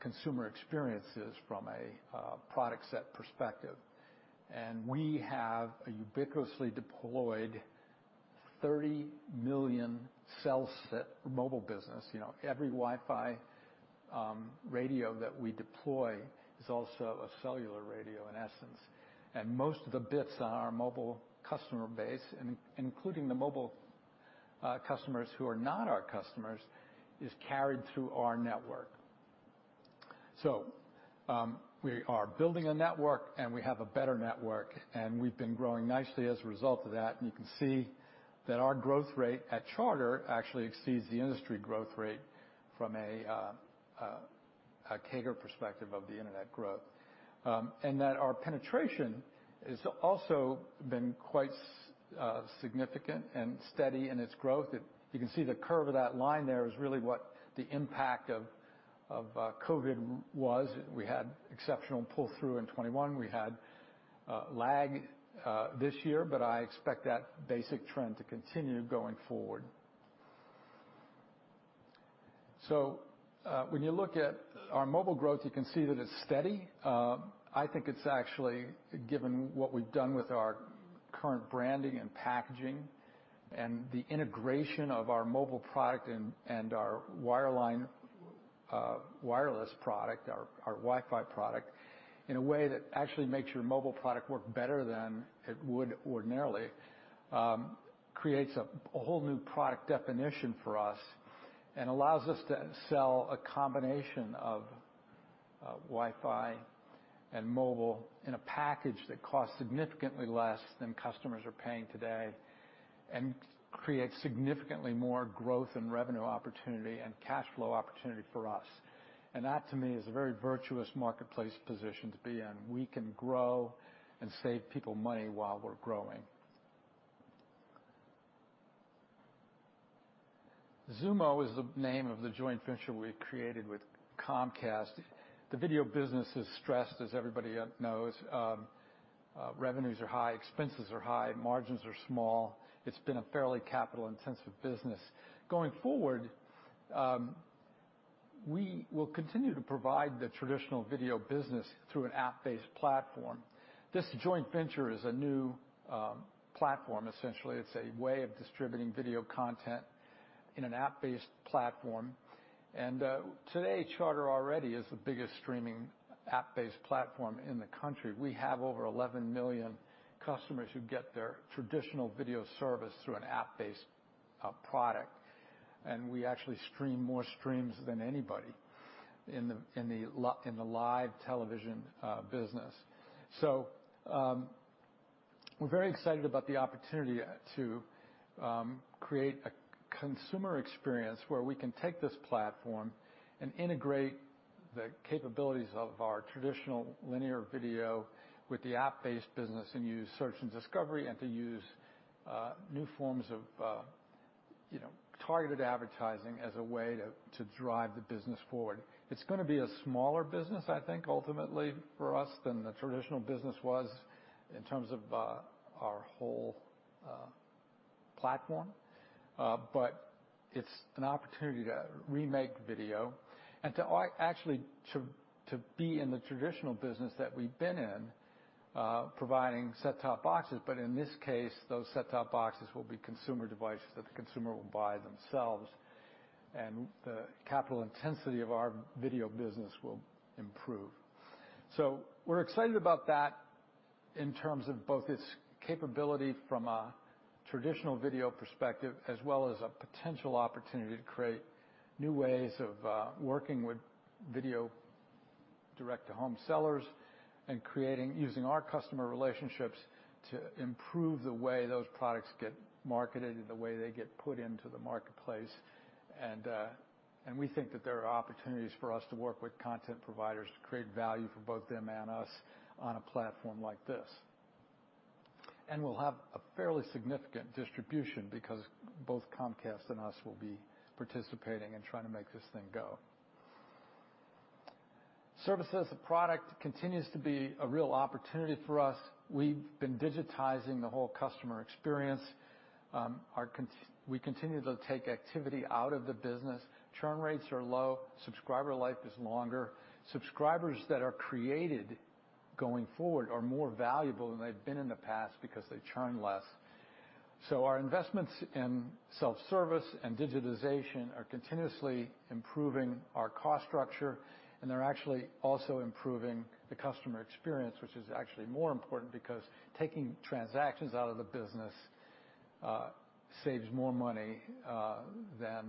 consumer experience is from a product set perspective. We have a ubiquitously deployed 30 million cell set mobile business. You know, every Wi-Fi radio that we deploy is also a cellular radio in essence. Most of the bits on our mobile customer base, including the mobile customers who are not our customers, is carried through our network. We are building a network, and we have a better network, and we've been growing nicely as a result of that. You can see that our growth rate at Charter actually exceeds the industry growth rate from a CAGR perspective of the internet growth. That our penetration has also been quite significant and steady in its growth. You can see the curve of that line there is really what the impact of COVID was. We had exceptional pull-through in 2021. We had lag this year, but I expect that basic trend to continue going forward. When you look at our mobile growth, you can see that it's steady. I think it's actually, given what we've done with our current branding and packaging and the integration of our mobile product and our wireline wireless product, our Wi-Fi product, in a way that actually makes your mobile product work better than it would ordinarily, creates a whole new product definition for us. Allows us to sell a combination of Wi-Fi and mobile in a package that costs significantly less than customers are paying today and creates significantly more growth and revenue opportunity and cash flow opportunity for us. That to me is a very virtuous marketplace position to be in. We can grow and save people money while we're growing. Xumo is the name of the joint venture we created with Comcast. The video business is stressed, as everybody knows. Revenues are high, expenses are high, margins are small. It's been a fairly capital-intensive business. Going forward, we will continue to provide the traditional video business through an app-based platform. This joint venture is a new platform. Essentially, it's a way of distributing video content in an app-based platform. Today, Charter already is the biggest streaming app-based platform in the country. We have over 11 million customers who get their traditional video service through an app-based product. We actually stream more streams than anybody in the live television business. We're very excited about the opportunity to create a consumer experience where we can take this platform and integrate the capabilities of our traditional linear video with the app-based business, and use search and discovery, and to use new forms of, you know, targeted advertising as a way to drive the business forward. It's gonna be a smaller business, I think, ultimately for us, than the traditional business was in terms of our whole platform. It's an opportunity to remake video and actually to be in the traditional business that we've been in, providing set-top boxes. In this case, those set-top boxes will be consumer devices that the consumer will buy themselves, and the capital intensity of our video business will improve. We're excited about that in terms of both its capability from a traditional video perspective as well as a potential opportunity to create new ways of working with video direct-to-home sellers and creating, using our customer relationships to improve the way those products get marketed and the way they get put into the marketplace. We think that there are opportunities for us to work with content providers to create value for both them and us on a platform like this. We'll have a fairly significant distribution because both Comcast and us will be participating and trying to make this thing go. Services, the product continues to be a real opportunity for us. We've been digitizing the whole customer experience. We continue to take activity out of the business. Churn rates are low. Subscriber life is longer. Subscribers that are created going forward are more valuable than they've been in the past because they churn less. Our investments in self-service and digitization are continuously improving our cost structure, and they're actually also improving the customer experience, which is actually more important because taking transactions out of the business saves more money than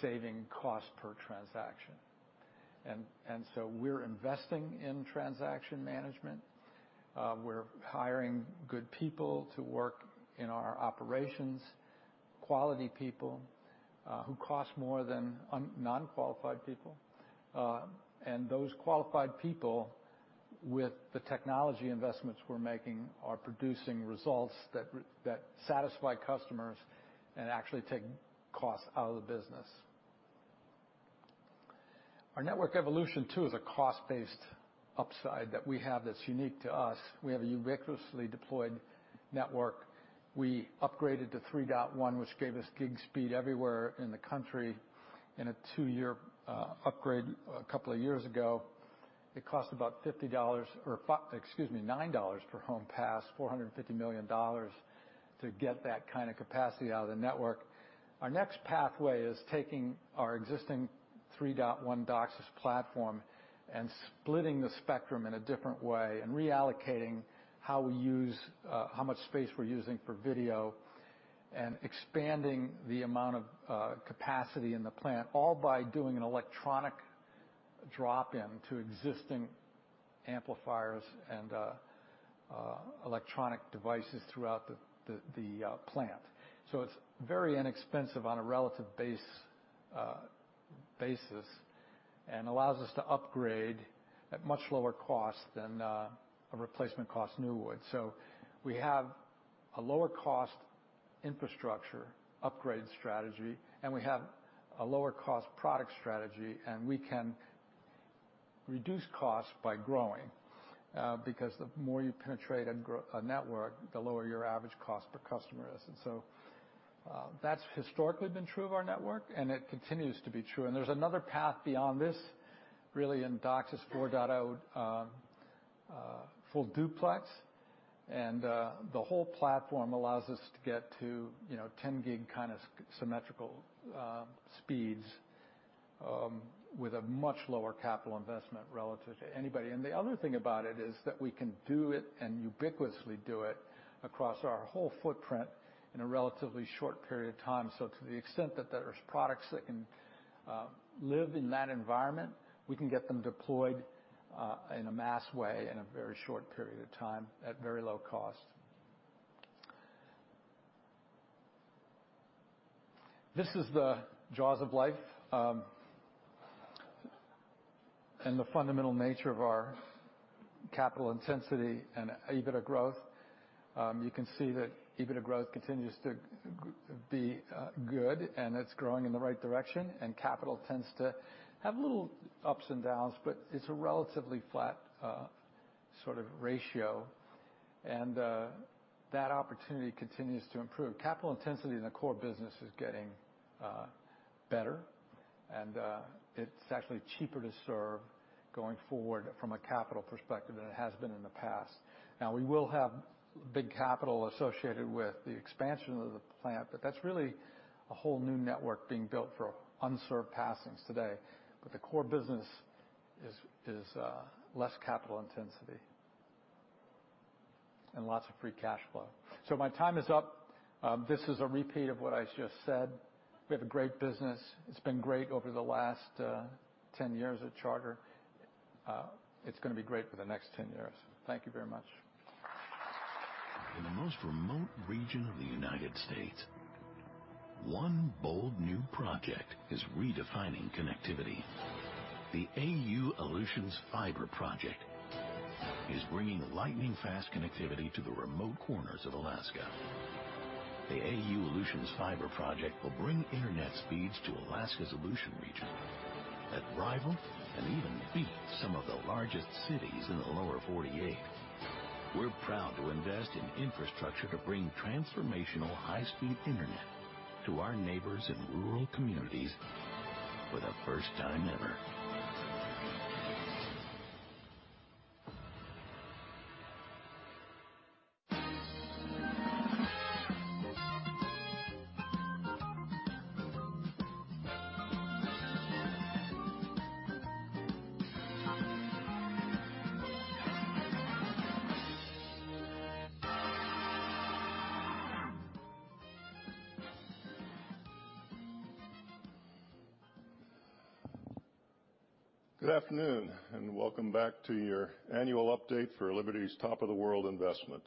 saving cost per transaction. We're investing in transaction management. We're hiring good people to work in our operations, quality people who cost more than non-qualified people. Those qualified people, with the technology investments we're making, are producing results that satisfy customers and actually take costs out of the business. Our network evolution too is a cost-based upside that we have that's unique to us. We have a ubiquitously deployed network. We upgraded to 3.1, which gave us gig speed everywhere in the country in a two-year upgrade a couple of years ago. It cost about $50 or, excuse me, $9 per home passed, $450 million to get that kind of capacity out of the network. Our next pathway is taking our existing 3.1 DOCSIS platform and splitting the spectrum in a different way and reallocating how we use how much space we're using for video, and expanding the amount of capacity in the plant, all by doing an electronic drop-in to existing amplifiers and electronic devices throughout the plant. It's very inexpensive on a relative basis and allows us to upgrade at much lower cost than a replacement cost new would. We have a lower cost infrastructure upgrade strategy, and we have a lower cost product strategy, and we can reduce costs by growing because the more you penetrate and grow a network, the lower your average cost per customer is. That's historically been true of our network, and it continues to be true. There's another path beyond this, really, in DOCSIS 4.0, Full Duplex. The whole platform allows us to get to, you know, 10 gig kinda symmetrical speeds with a much lower capital investment relative to anybody. The other thing about it is that we can do it and ubiquitously do it across our whole footprint in a relatively short period of time. To the extent that there's products that can live in that environment, we can get them deployed in a mass way in a very short period of time at very low cost. This is the jaws of life and the fundamental nature of our capital intensity and EBITDA growth. You can see that EBITDA growth continues to be good, and it's growing in the right direction. Capital tends to have little ups and downs, but it's a relatively flat sort of ratio. That opportunity continues to improve. Capital intensity in the core business is getting better, and it's actually cheaper to serve going forward from a capital perspective than it has been in the past. Now, we will have big capital associated with the expansion of the plant, but that's really a whole new network being built for unserved passings today. The core business is less capital intensity. Lots of free cash flow. My time is up. This is a repeat of what I just said. We have a great business. It's been great over the last 10 years at Charter. It's gonna be great for the next 10 years. Thank you very much. In the most remote region of the United States, one bold new project is redefining connectivity. The AU-Aleutians Fiber Project is bringing lightning-fast connectivity to the remote corners of Alaska. The AU-Aleutians Fiber Project will bring internet speeds to Alaska's Aleutian region that rival and even beat some of the largest cities in the Lower 48. We're proud to invest in infrastructure to bring transformational high-speed internet to our neighbors in rural communities for the first time ever. Good afternoon, welcome back to your annual update for Liberty's Top of the World investment.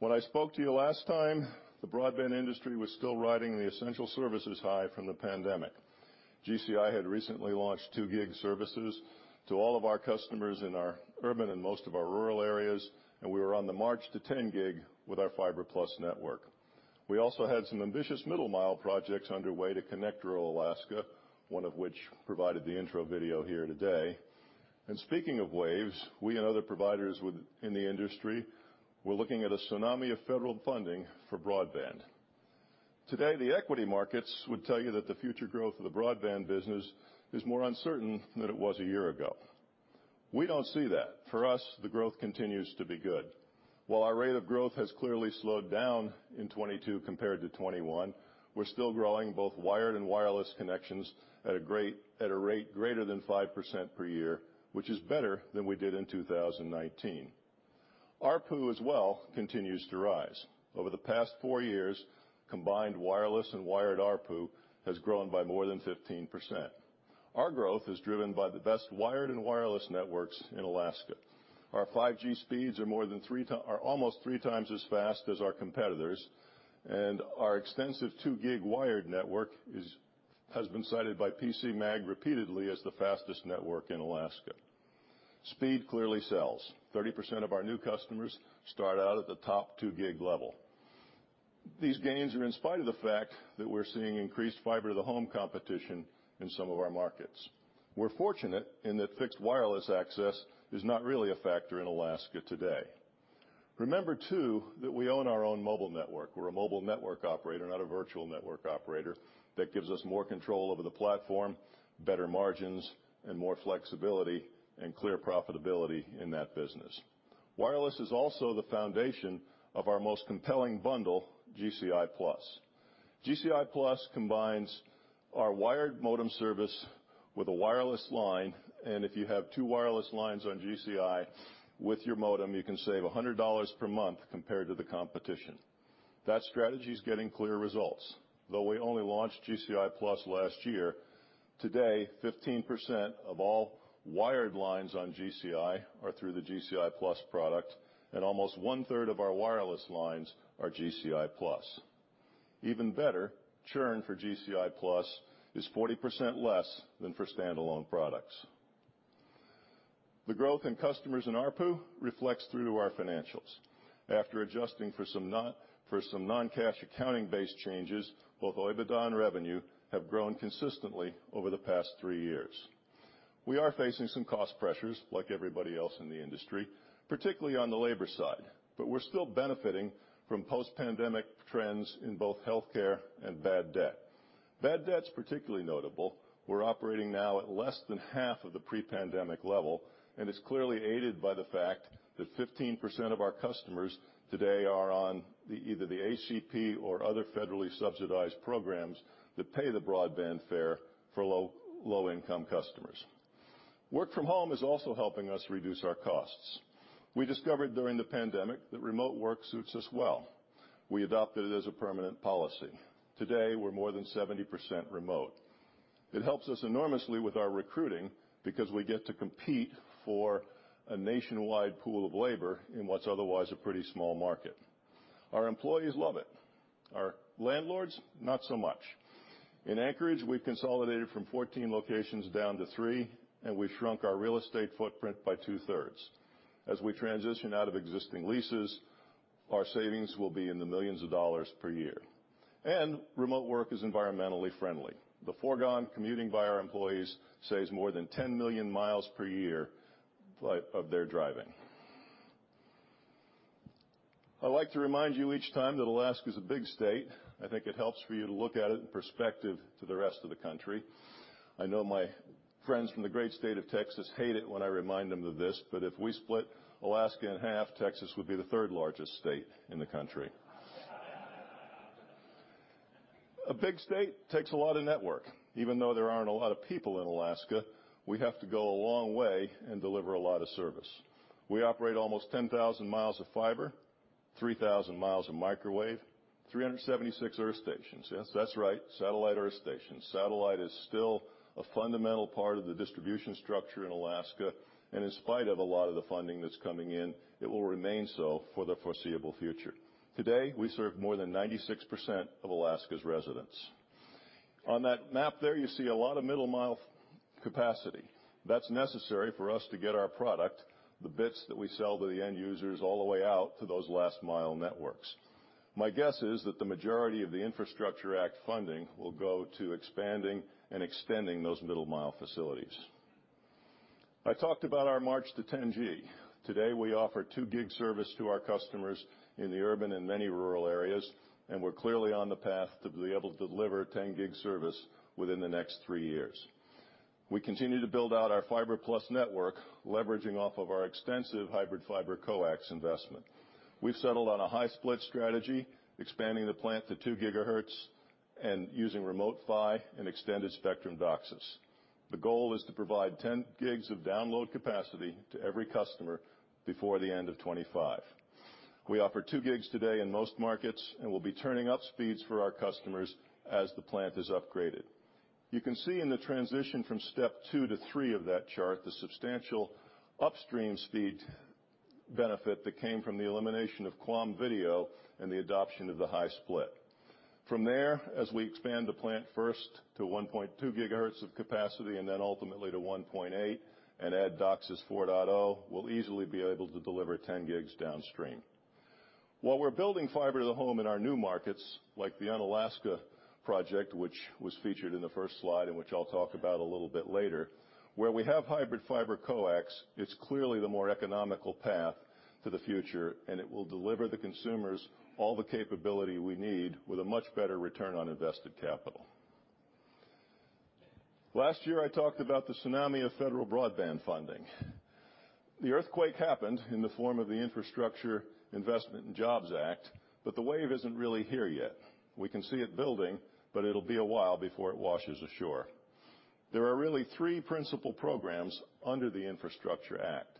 When I spoke to you last time, the broadband industry was still riding the essential services high from the pandemic. GCI had recently launched 2 gig services to all of our customers in our urban and most of our rural areas, and we were on the march to 10 gig with our Fiber+ network. We also had some ambitious middle mile projects underway to connect rural Alaska, one of which provided the intro video here today. Speaking of waves, we and other providers in the industry were looking at a tsunami of federal funding for broadband. Today, the equity markets would tell you that the future growth of the broadband business is more uncertain than it was a year ago. We don't see that. For us, the growth continues to be good. While our rate of growth has clearly slowed down in 2022 compared to 2021, we're still growing both wired and wireless connections at a rate greater than 5% per year, which is better than we did in 2019. ARPU as well continues to rise. Over the past four years, combined wireless and wired ARPU has grown by more than 15%. Our growth is driven by the best wired and wireless networks in Alaska. Our 5G speeds are almost three times as fast as our competitors, and our extensive two gig wired network has been cited by PCMag repeatedly as the fastest network in Alaska. Speed clearly sells. 30% of our new customers start out at the top two gig level. These gains are in spite of the fact that we're seeing increased fiber to the home competition in some of our markets. We're fortunate in that fixed wireless access is not really a factor in Alaska today. Remember too, that we own our own mobile network. We're a mobile network operator, not a virtual network operator. That gives us more control over the platform, better margins and more flexibility and clear profitability in that business. Wireless is also the foundation of our most compelling bundle, GCI+. GCI+ combines our wired modem service with a wireless line, and if you have two wireless lines on GCI with your modem, you can save $100 per month compared to the competition. That strategy is getting clear results. Though we only launched GCI+ last year, today, 15% of all wired lines on GCI are through the GCI+ product, and almost 1/3 of our wireless lines are GCI+. Even better, churn for GCI+ is 40% less than for standalone products. The growth in customers and ARPU reflects through to our financials. After adjusting for some non-cash accounting-based changes, both OIBDA and revenue have grown consistently over the past three years. We are facing some cost pressures like everybody else in the industry, particularly on the labor side, but we're still benefiting from post-pandemic trends in both healthcare and bad debt. Bad debt's particularly notable. We're operating now at less than half of the pre-pandemic level, and it's clearly aided by the fact that 15% of our customers today are on either the ACP or other federally subsidized programs that pay the broadband fare for low-income customers. Work from home is also helping us reduce our costs. We discovered during the pandemic that remote work suits us well. We adopted it as a permanent policy. Today, we're more than 70% remote. It helps us enormously with our recruiting because we get to compete for a nationwide pool of labor in what's otherwise a pretty small market. Our employees love it. Our landlords, not so much. In Anchorage, we've consolidated from 14 locations down to three, and we've shrunk our real estate footprint by two-thirds. As we transition out of existing leases, our savings will be in the millions of dollars per year. Remote work is environmentally friendly. The foregone commuting by our employees saves more than 10 million miles per year of their driving. I like to remind you each time that Alaska is a big state. I think it helps for you to look at it in perspective to the rest of the country. I know my friends from the great state of Texas hate it when I remind them of this, but if we split Alaska in half, Texas would be the third-largest state in the country. A big state takes a lot of network. Even though there aren't a lot of people in Alaska, we have to go a long way and deliver a lot of service. We operate almost 10,000 mi of fiber, 3,000 mi of microwave, 376 earth stations. Yes, that's right, satellite earth stations. Satellite is still a fundamental part of the distribution structure in Alaska, and in spite of a lot of the funding that's coming in, it will remain so for the foreseeable future. Today, we serve more than 96% of Alaska's residents. On that map there you see a lot of middle mile capacity. That's necessary for us to get our product, the bits that we sell to the end users, all the way out to those last mile networks. My guess is that the majority of the Infrastructure Act funding will go to expanding and extending those middle mile facilities. I talked about our march to 10G. Today, we offer 2 gig service to our customers in the urban and many rural areas, and we're clearly on the path to be able to deliver 10 gig service within the next three years. We continue to build out our Fiber+ network, leveraging off of our extensive hybrid fiber coax investment. We've settled on a high-split strategy, expanding the plant to 2 GHz and using Remote PHY and Extended Spectrum DOCSIS. The goal is to provide 10 gigs of download capacity to every customer before the end of 2025. We offer 2 gigs today in most markets, and we'll be turning up speeds for our customers as the plant is upgraded. You can see in the transition from step two to three of that chart, the substantial upstream speed benefit that came from the elimination of QAM video and the adoption of the high-split. From there, as we expand the plant first to 1.2 GHz of capacity and then ultimately to 1.8 GHz and add DOCSIS 4.0, we'll easily be able to deliver 10 gigs downstream. While we're building fiber to the home in our new markets, like the Unalaska project, which was featured in the first slide, and which I'll talk about a little bit later, where we have hybrid fiber coax, it's clearly the more economical path to the future, and it will deliver the consumers all the capability we need with a much better return on invested capital. Last year, I talked about the tsunami of federal broadband funding. The earthquake happened in the form of the Infrastructure Investment and Jobs Act, but the wave isn't really here yet. We can see it building, but it'll be a while before it washes ashore. There are really three principal programs under the Infrastructure Act.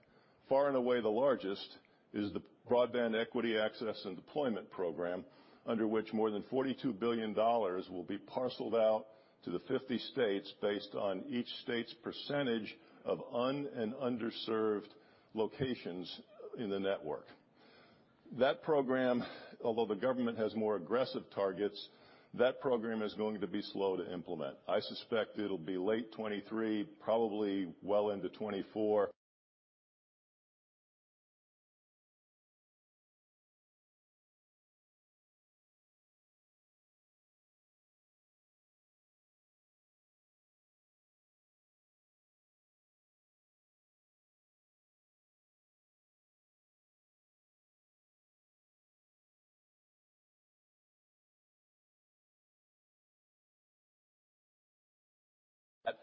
Far and away the largest is the Broadband Equity Access and Deployment Program, under which more than $42 billion will be parceled out to the 50 states based on each state's percentage of un- and underserved locations in the network. That program, although the government has more aggressive targets, is going to be slow to implement. I suspect it'll be late 2023, probably well into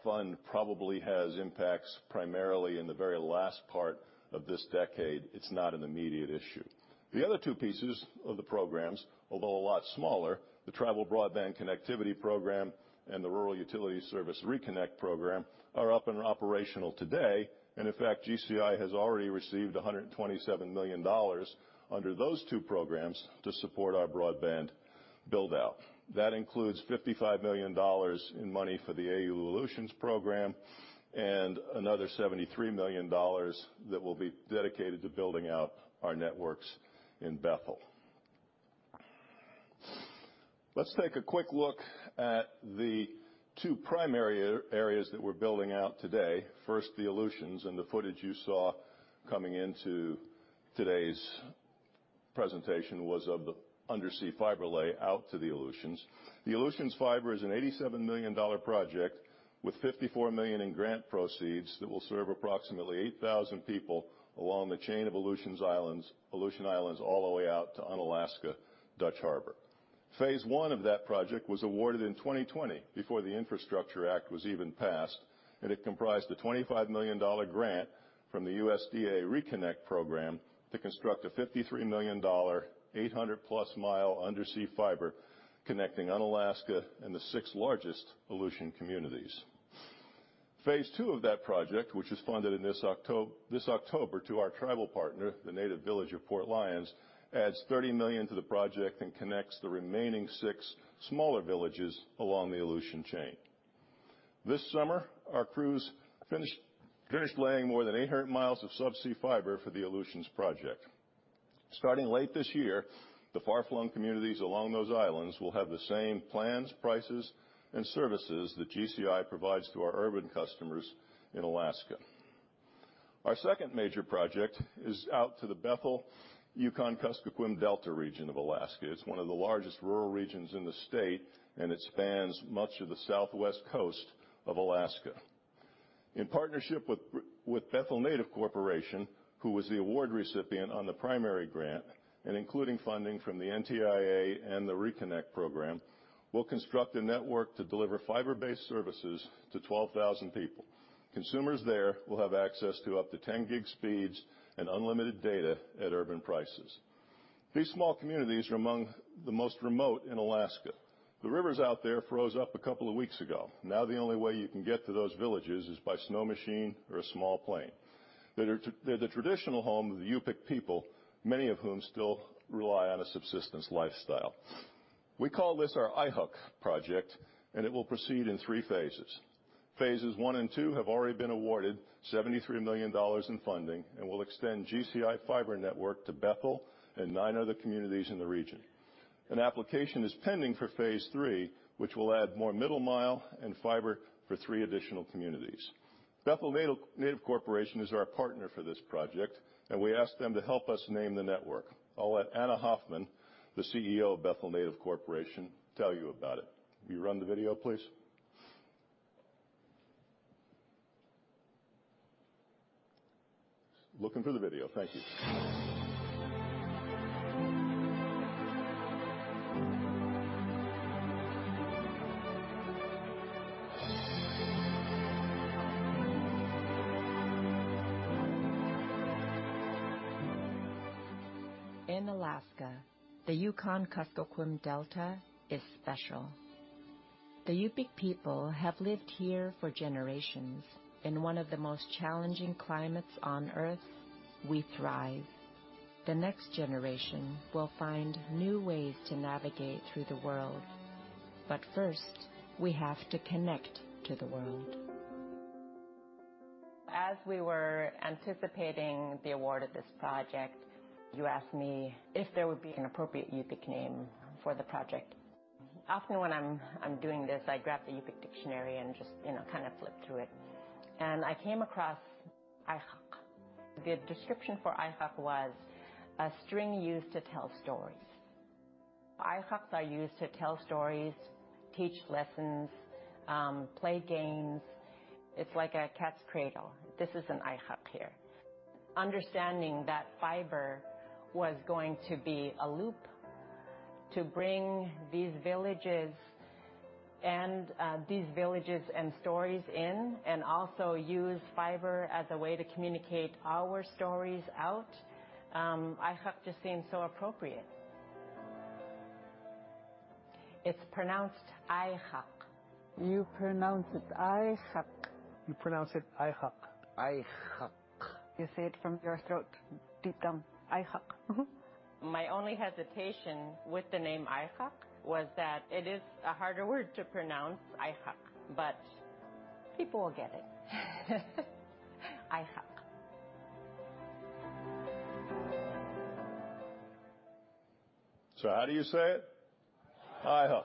2024. That fund probably has impacts primarily in the very last part of this decade. It's not an immediate issue. The other two pieces of the programs, although a lot smaller, the Tribal Broadband Connectivity Program and the Rural Utilities Service ReConnect Program, are up and operational today. In fact, GCI has already received $127 million under those two programs to support our broadband build-out. That includes $55 million in money for the Aleutians program and another $73 million that will be dedicated to building out our networks in Bethel. Let's take a quick look at the two primary areas that we're building out today. First, the Aleutians, and the footage you saw coming into today's presentation was of the undersea fiber layout to the Aleutians. The Aleutians Fiber is an $87 million project with $54 million in grant proceeds that will serve approximately 8,000 people along the chain of Aleutian Islands, all the way out to Unalaska, Dutch Harbor. Phase one of that project was awarded in 2020 before the Infrastructure Act was even passed, and it comprised a $25 million grant from the USDA ReConnect Program to construct a $53 million, 800+ mi undersea fiber connecting Unalaska and the six largest Aleutian communities. Phase two of that project, which was funded in this October to our tribal partner, the Native Village of Port Lions, adds $30 million to the project and connects the remaining six smaller villages along the Aleutian chain. This summer, our crews finished laying more than 800 mi of subsea fiber for the Aleutians project. Starting late this year, the far-flung communities along those islands will have the same plans, prices, and services that GCI provides to our urban customers in Alaska. Our second major project is out to the Bethel, Yukon-Kuskokwim Delta region of Alaska. It's one of the largest rural regions in the state, and it spans much of the Southwest coast of Alaska. In partnership with Bethel Native Corporation, who was the award recipient on the primary grant, and including funding from the NTIA and the ReConnect program, we'll construct a network to deliver fiber-based services to 12,000 people. Consumers there will have access to up to 10 gig speeds and unlimited data at urban prices. These small communities are among the most remote in Alaska. The rivers out there froze up a couple of weeks ago. Now, the only way you can get to those villages is by snow machine or a small plane. They're the traditional home of theYup'ik people, many of whom still rely on a subsistence lifestyle. We call this our Airraq project, and it will proceed in three phases. Phases one and two have already been awarded $73 million in funding and will extend GCI fiber network to Bethel and nine other communities in the region. An application is pending for phase three, which will add more middle mile and fiber for three additional communities. Bethel Native Corporation is our partner for this project, and we asked them to help us name the network. I'll let Ana Hoffman, the CEO of Bethel Native Corporation, tell you about it. Will you run the video, please? Looking for the video. Thank you. In Alaska, the Yukon-Kuskokwim Delta is special. The Yup'ik people have lived here for generations. In one of the most challenging climates on Earth, we thrive. The next generation will find new ways to navigate through the world. First, we have to connect to the world. As we were anticipating the award of this project, you asked me if there would be an appropriate Yup'ik name for the project. Often when I'm doing this, I grab the Yup'ik dictionary and just, you know, kind of flip through it. I came across Airraq. The description for Airraq was a string used to tell stories. Airraq are used to tell stories, teach lessons, play games. It's like a cat's cradle. This is an Airraq here. Understanding that fiber was going to be a loop to bring these villages and stories in, and also use fiber as a way to communicate our stories out, Airraq just seemed so appropriate. It's pronounced Airraq. You pronounce it Airraq. You say it from your throat, deep down. Airraq. My only hesitation with the name Airraq was that it is a harder word to pronounce. Airraq. People will get it. Airraq. How do you say it? Airraq.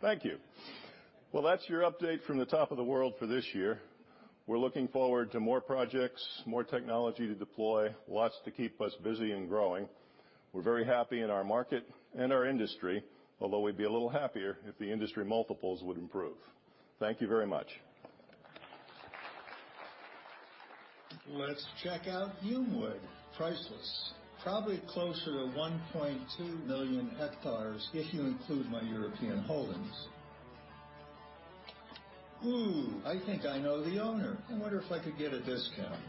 Thank you. Well, that's your update from the top of the world for this year. We're looking forward to more projects, more technology to deploy, lots to keep us busy and growing. We're very happy in our market and our industry, although we'd be a little happier if the industry multiples would improve. Thank you very much. Let's check out Humewood. Priceless. Probably closer to 1.2 million hectares if you include my European holdings. Ooh, I think I know the owner. I wonder if I could get a discount.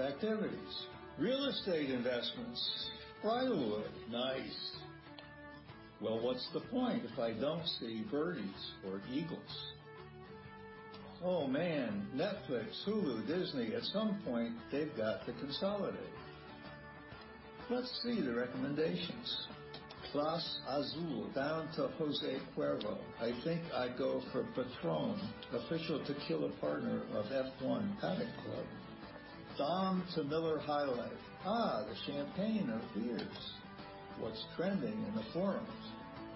Activities. Real estate investments. Briarwood. Nice. Well, what's the point if I don't see birdies or eagles? Oh, man. Netflix, Hulu, Disney. At some point, they've got to consolidate. Let's see the recommendations. Clase Azul down to José Cuervo. I think I go for Patrón, official tequila partner of F1 Paddock Club. Dom to Miller High Life. The Champagne of Beers. What's trending in the forums?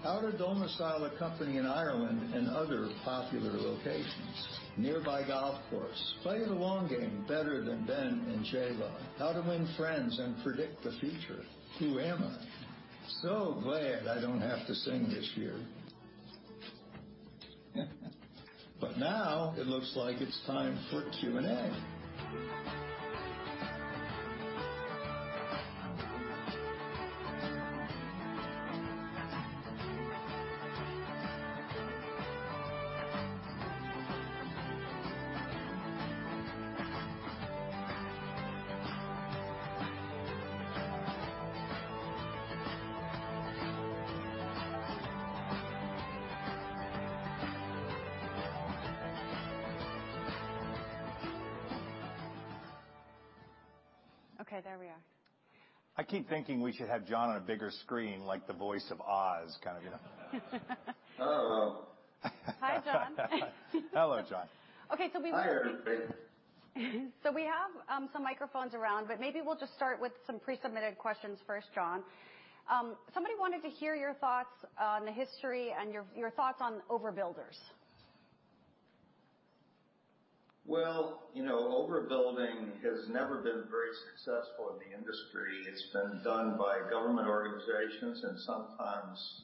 How to domicile a company in Ireland and other popular locations. Nearby golf course. Play the long game better than Ben and Shayla. How to win friends and predict the future. Who am I? Glad I don't have to sing this year. Now it looks like it's time for Q&A. Okay, there we are. I keep thinking we should have John on a bigger screen, like the voice of Oz, kind of, you know. Hello. Hi, John. Hello, John. Okay. Hi, everybody. We have some microphones around, but maybe we'll just start with some pre-submitted questions first, John. Somebody wanted to hear your thoughts on the history and your thoughts on overbuilders. Well, you know, overbuilding has never been very successful in the industry. It's been done by government organizations and sometimes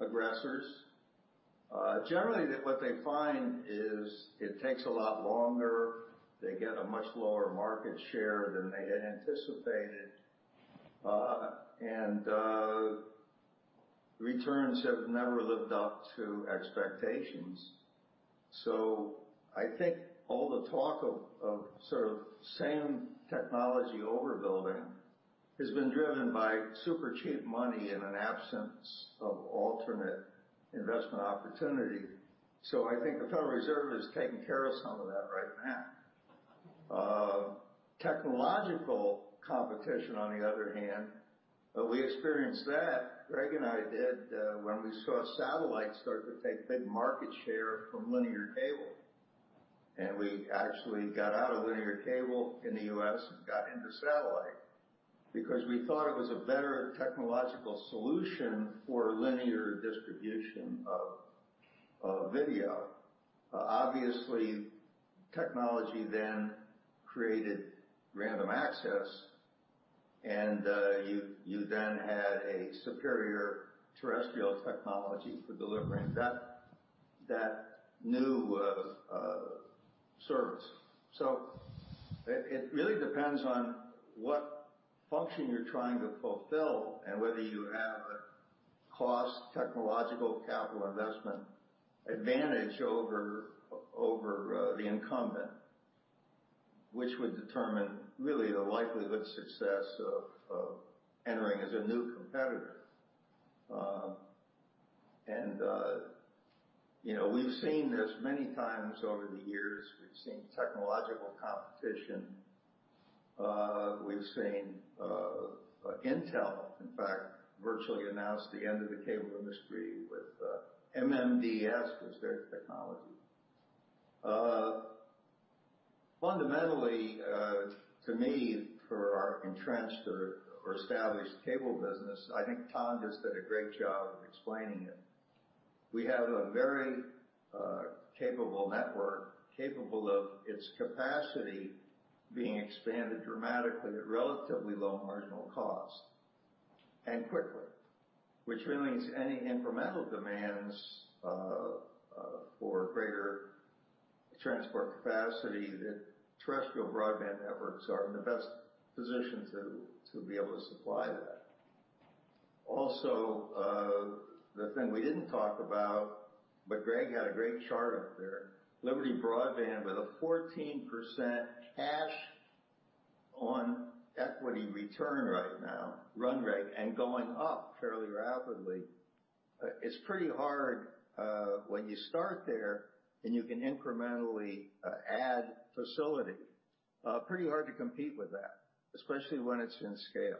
aggressors. Generally, what they find is it takes a lot longer. They get a much lower market share than they had anticipated. Returns have never lived up to expectations. I think all the talk of sort of same technology overbuilding has been driven by super cheap money in an absence of alternate investment opportunity. I think the Federal Reserve is taking care of some of that right now. Technological competition on the other hand, we experienced that, Greg and I did, when we saw satellite start to take big market share from linear cable. We actually got out of linear cable in the U.S. and got into satellite because we thought it was a better technological solution for linear distribution of video. Obviously, technology then created random access and you then had a superior terrestrial technology for delivering that new service. It really depends on what function you're trying to fulfill and whether you have a cost technological capital investment advantage over the incumbent, which would determine really the likelihood success of entering as a new competitor. You know, we've seen this many times over the years. We've seen technological competition. We've seen Intel, in fact, virtually announce the end of the cable industry with MMDS was their technology. Fundamentally, to me for our entrenched or established cable business, I think Tom just did a great job of explaining it. We have a very capable network, capable of its capacity being expanded dramatically at relatively low marginal cost and quickly, which really means any incremental demands for greater transport capacity, the terrestrial broadband networks are in the best position to be able to supply that. Also, the thing we didn't talk about, but Greg had a great chart up there. Liberty Broadband with a 14% cash on equity return right now, run rate, and going up fairly rapidly. It's pretty hard when you start there, and you can incrementally add facility. Pretty hard to compete with that, especially when it's in scale.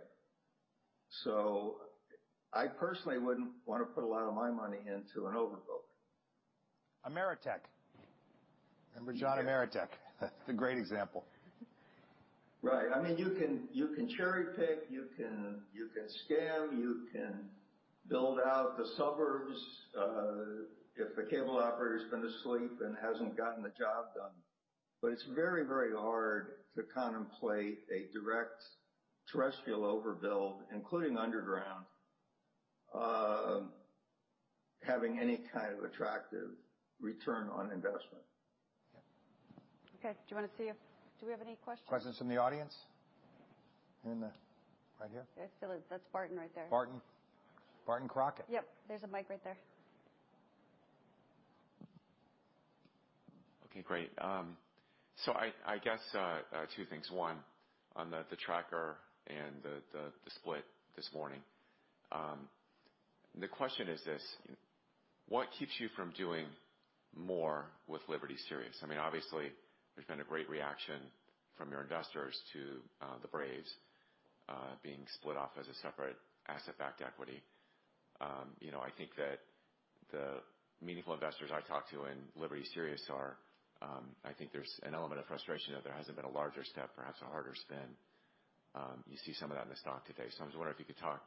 I personally wouldn't wanna put a lot of my money into an overbuild. Ameritech. Remember John? That's a great example. Right. I mean, you can cherry-pick, you can scam, you can build out the suburbs if the cable operator's been asleep and hasn't gotten the job done. It's very hard to contemplate a direct terrestrial overbuild, including underground, having any kind of attractive return on investment. Yeah. Okay. Do we have any questions? Questions from the audience? Right here. There still is. That's Barton right there. Barton Crockett. Yep. There's a mic right there. Okay, great. I guess two things. One, on the tracker and the split this morning. The question is this, what keeps you from doing more with Liberty Sirius? I mean, obviously, there's been a great reaction from your investors to the Braves being split off as a separate asset-backed equity. You know, I think that the meaningful investors I talk to in Liberty Sirius are, I think there's an element of frustration that there hasn't been a larger step, perhaps a harder spin. You see some of that in the stock today. I'm just wondering if you could talk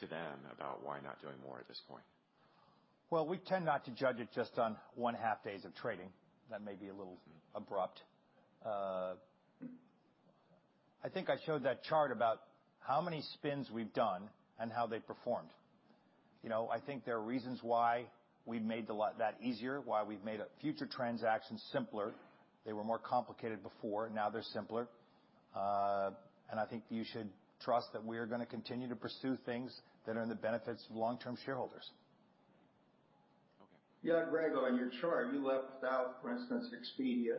to them about why not doing more at this point. Well, we tend not to judge it just on 1/2 days of trading. That may be a little abrupt. I think I showed that chart about how many spins we've done and how they performed. You know, I think there are reasons why we've made that easier, why we've made a future transaction simpler. They were more complicated before, now they're simpler. I think you should trust that we are gonna continue to pursue things that are in the benefits of long-term shareholders. Okay. Yeah, Greg, on your chart, you left out, for instance, Expedia,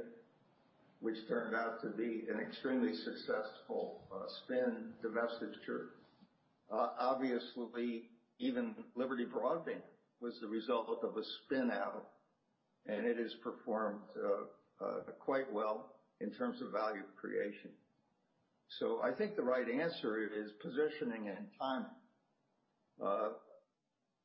which turned out to be an extremely successful spin divestiture. Obviously, even Liberty Broadband was the result of a spin out, and it has performed quite well in terms of value creation. I think the right answer is positioning and timing.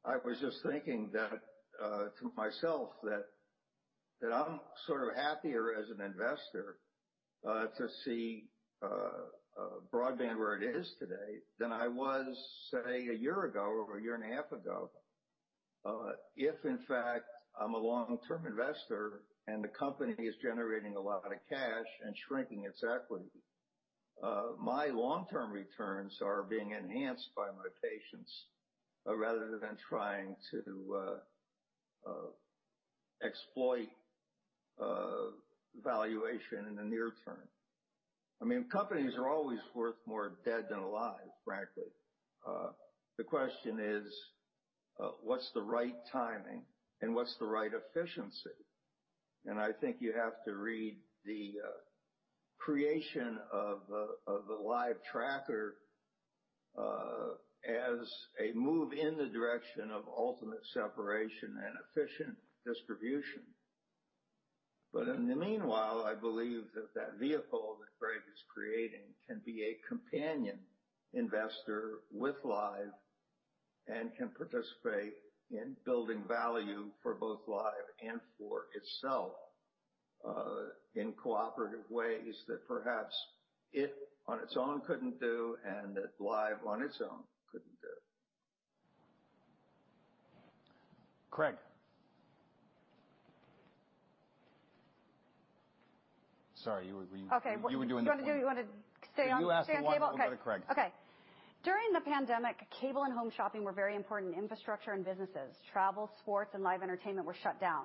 I was just thinking to myself that I'm sort of happier as an investor to see broadband where it is today than I was, say, a year ago or a year and a half ago. If in fact, I'm a long-term investor and the company is generating a lot of cash and shrinking its equity, my long-term returns are being enhanced by my patience, rather than trying to exploit valuation in the near term. I mean, companies are always worth more dead than alive, frankly. The question is what's the right timing and what's the right efficiency? I think you have to read the creation of the Live tracker as a move in the direction of ultimate separation and efficient distribution. In the meanwhile, I believe that that vehicle that Craig is creating can be a companion investor with Live and can participate in building value for both Live and for itself in cooperative ways that perhaps it, on its own, couldn't do and that Live on its own couldn't do. Craig. Sorry, you were leaving. Okay. You wanna stay on the table? You ask the one, we'll go to Craig. Okay. During the pandemic, cable and home shopping were very important infrastructure and businesses. Travel, sports, and live entertainment were shut down.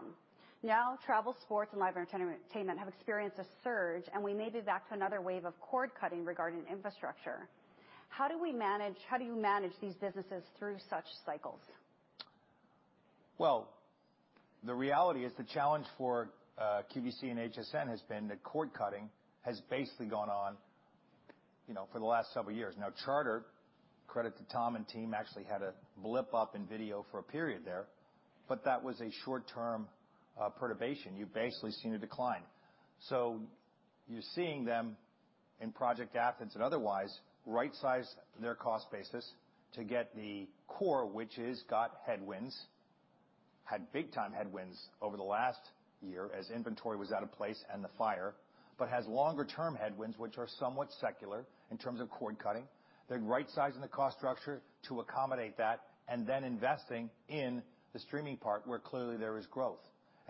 Now, travel, sports, and live entertainment have experienced a surge, and we may be back to another wave of cord-cutting regarding infrastructure. How do you manage these businesses through such cycles? Well, the reality is the challenge for QVC and HSN has been that cord-cutting has basically gone on, you know, for the last several years. Now, Charter, credit to Tom and team, actually had a blip up in video for a period there, but that was a short-term perturbation. You've basically seen a decline. You're seeing them in Project Athens and otherwise right-size their cost basis to get the core, which has got headwinds. Had big-time headwinds over the last year as inventory was out of place and the fire, but has longer-term headwinds which are somewhat secular in terms of cord-cutting. They're right-sizing the cost structure to accommodate that and then investing in the streaming part where clearly there is growth.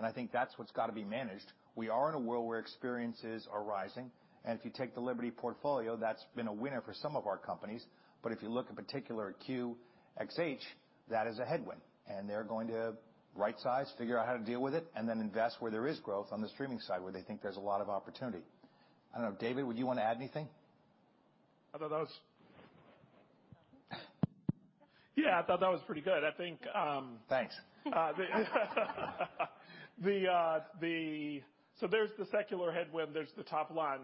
I think that's what's gotta be managed. We are in a world where experiences are rising, and if you take the Liberty portfolio, that's been a winner for some of our companies. If you look in particular at QxH, that is a headwind, and they're going to right-size, figure out how to deal with it, and then invest where there is growth on the streaming side, where they think there's a lot of opportunity. I don't know. David, would you wanna add anything? Yeah, I thought that was pretty good. Thanks. There's the secular headwind. There's the top-line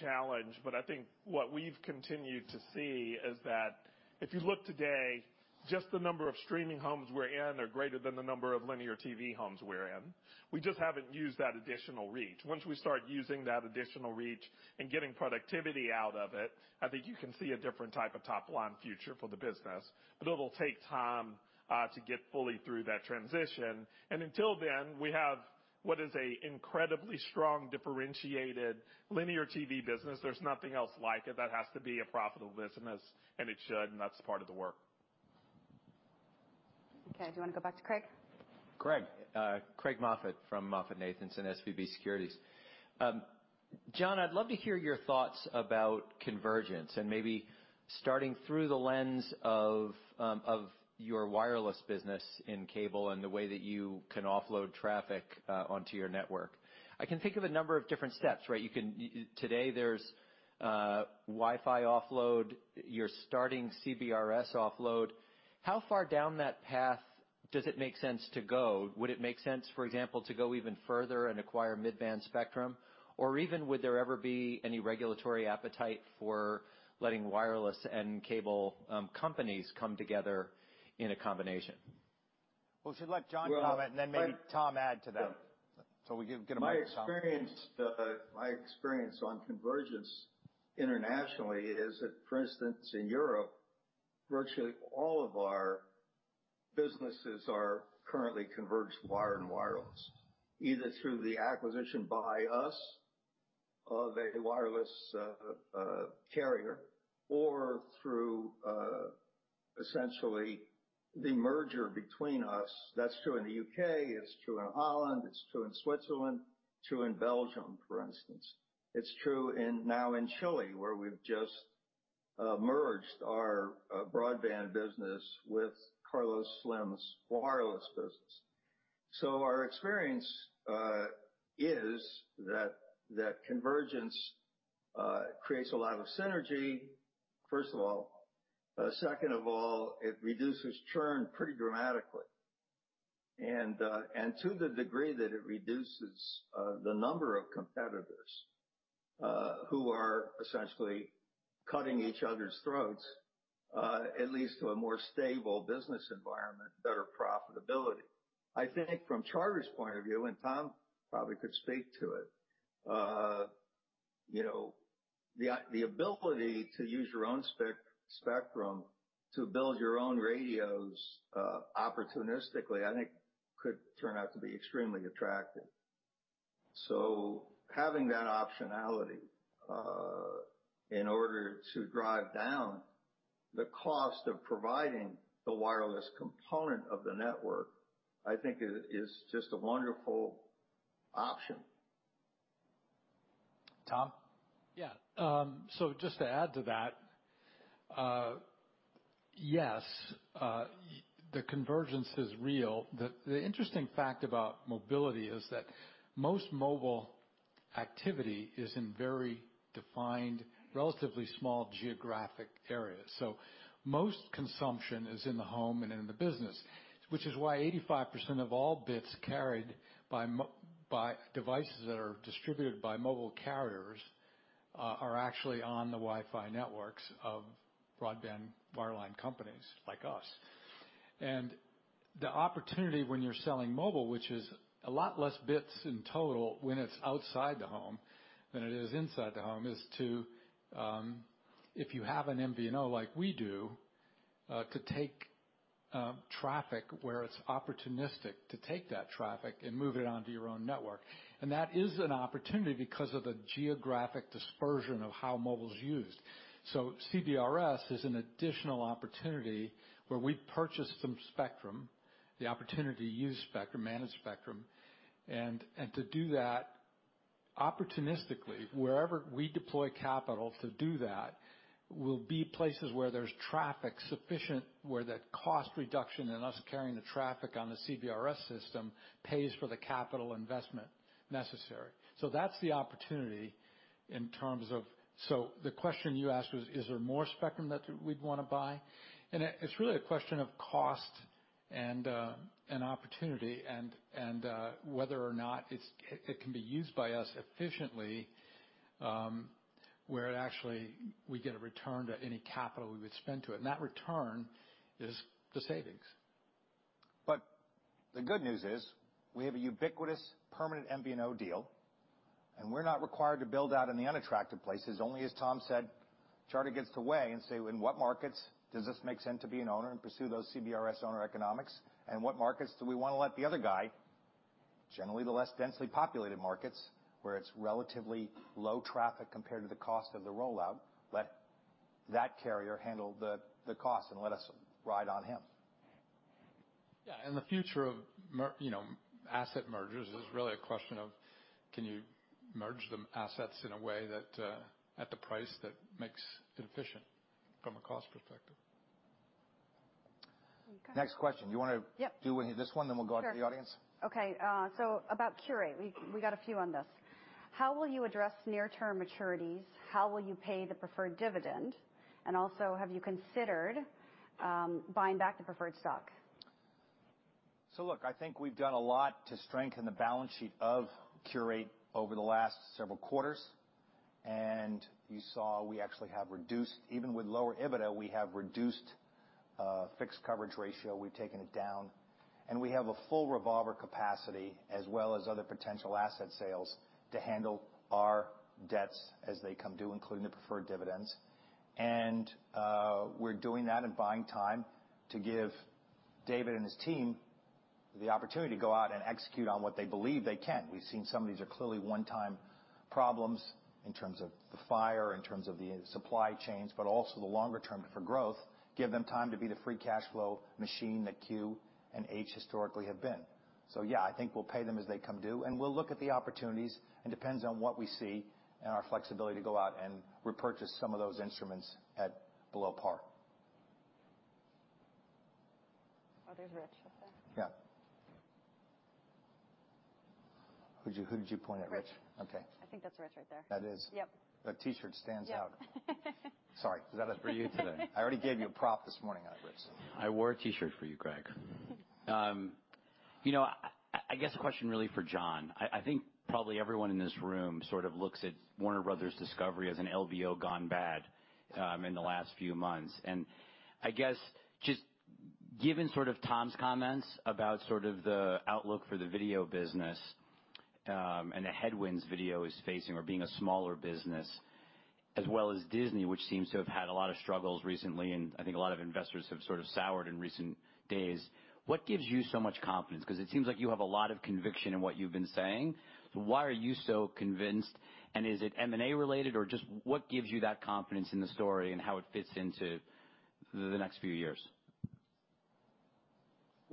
challenge, but I think what we've continued to see is that if you look today, just the number of streaming homes we're in are greater than the number of linear TV homes we're in. We just haven't used that additional reach. Once we start using that additional reach and getting productivity out of it, I think you can see a different type of top-line future for the business. It'll take time to get fully through that transition. Until then, we have what is a incredibly strong differentiated linear TV business. There's nothing else like it. That has to be a profitable business, and it should, and that's part of the work. Okay. Do you wanna go back to Craig? Craig Moffett from MoffettNathanson, SVB Securities. John, I'd love to hear your thoughts about convergence and maybe starting through the lens of your wireless business in cable and the way that you can offload traffic onto your network. I can think of a number of different steps, right? Today there's Wi-Fi offload. You're starting CBRS offload. How far down that path does it make sense to go? Would it make sense, for example, to go even further and acquire mid-band spectrum? Even, would there ever be any regulatory appetite for letting wireless and cable companies come together in a combination? Well, if you let John comment and then maybe Tom add to that. Will you get a mic to Tom? My experience on convergence internationally is that, for instance, in Europe, virtually all of our businesses are currently converged wire and wireless, either through the acquisition by us of a wireless carrier or through essentially the merger between us. That's true in the U.K., it's true in Holland, it's true in Switzerland, true in Belgium, for instance. It's true now in Chile, where we've just merged our broadband business with Carlos Slim's wireless business. Our experience is that convergence creates a lot of synergy, first of all. Second of all, it reduces churn pretty dramatically. To the degree that it reduces the number of competitors who are essentially cutting each other's throats, it leads to a more stable business environment, better profitability. I think from Charter's point of view, and Tom probably could speak to it, uh, you know, the ability to use your own spec-spectrum to build your own radios, uh, opportunistically, I think could turn out to be extremely attractive. So having that optionality, uh, in order to drive down the cost of providing the wireless component of the network, I think is just a wonderful option. Tom? Yeah. Just to add to that, yes, the convergence is real. The interesting fact about mobility is that most mobile activity is in very defined, relatively small geographic areas. Most consumption is in the home and in the business, which is why 85% of all bits carried by devices that are distributed by mobile carriers are actually on the Wi-Fi networks of broadband wireline companies like us. The opportunity when you're selling mobile, which is a lot less bits in total when it's outside the home than it is inside the home, is to, if you have an MVNO like we do, to take traffic where it's opportunistic, to take that traffic and move it onto your own network. That is an opportunity because of the geographic dispersion of how mobile's used. CBRS is an additional opportunity where we purchase some spectrum, the opportunity to use spectrum, manage spectrum, and to do that opportunistically. Wherever we deploy capital to do that will be places where there's traffic sufficient where that cost reduction and us carrying the traffic on the CBRS system pays for the capital investment necessary. That's the opportunity. The question you asked was, is there more spectrum that we'd wanna buy? It's really a question of cost and opportunity and whether or not it can be used by us efficiently, where actually we get a return to any capital we would spend to it, and that return is the savings. The good news is we have a ubiquitous permanent MVNO deal, and we're not required to build out in the unattractive places. Only, as Tom said, Charter gets to weigh and say, "In what markets does this make sense to be an owner and pursue those CBRS owner economics, and what markets do we wanna let the other guy, generally the less densely populated markets, where it's relatively low traffic compared to the cost of the rollout, let that carrier handle the cost and let us ride on him? Yeah. The future of, you know, asset mergers is really a question of can you merge the assets in a way that at the price that makes it efficient from a cost perspective. Okay. Next question. Yep. Do this one, then we'll go out to the audience. Sure. Okay. About Qurate. We got a few on this. How will you address near-term maturities? How will you pay the preferred dividend? Also, have you considered buying back the preferred stock? So look, I think we've done a lot to strengthen the balance sheet of Qurate over the last several quarters. And you saw we actually have reduced. Even with lower EBITDA, we have reduced, uh, fixed coverage ratio, we've taken it down, and we have a full revolver capacity as well as other potential asset sales to handle our debts as they come due, including the preferred dividends. And, uh, we're doing that and buying time to give David and his team the opportunity to go out and execute on what they believe they can. We've seen some of these are clearly one-time problems in terms of the fire, in terms of the supply chains, but also the longer term for growth, give them time to be the free cash flow machine that Q and H historically have been. Yeah, I think we'll pay them as they come due, and we'll look at the opportunities and depends on what we see and our flexibility to go out and repurchase some of those instruments at below par. Oh, there's Rich. Yeah. Who'd you point at, Rich? Rich. Okay. I think that's Rich right there. That is. Yep. That T-shirt stands out. Yep. Sorry. Was that a for you today? I already gave you a prop this morning on it, Rich. I wore a T-shirt for you, Greg. You know, I guess a question really for John. I think probably everyone in this room sort of looks at Warner Bros. Discovery as an LBO gone bad in the last few months. I guess just given sort of Tom's comments about sort of the outlook for the video business and the headwinds video is facing or being a smaller business, as well as Disney, which seems to have had a lot of struggles recently, and I think a lot of investors have sort of soured in recent days. What gives you so much confidence? 'Cause it seems like you have a lot of conviction in what you've been saying. Why are you so convinced, and is it M&A-related or just what gives you that confidence in the story and how it fits into the next few years?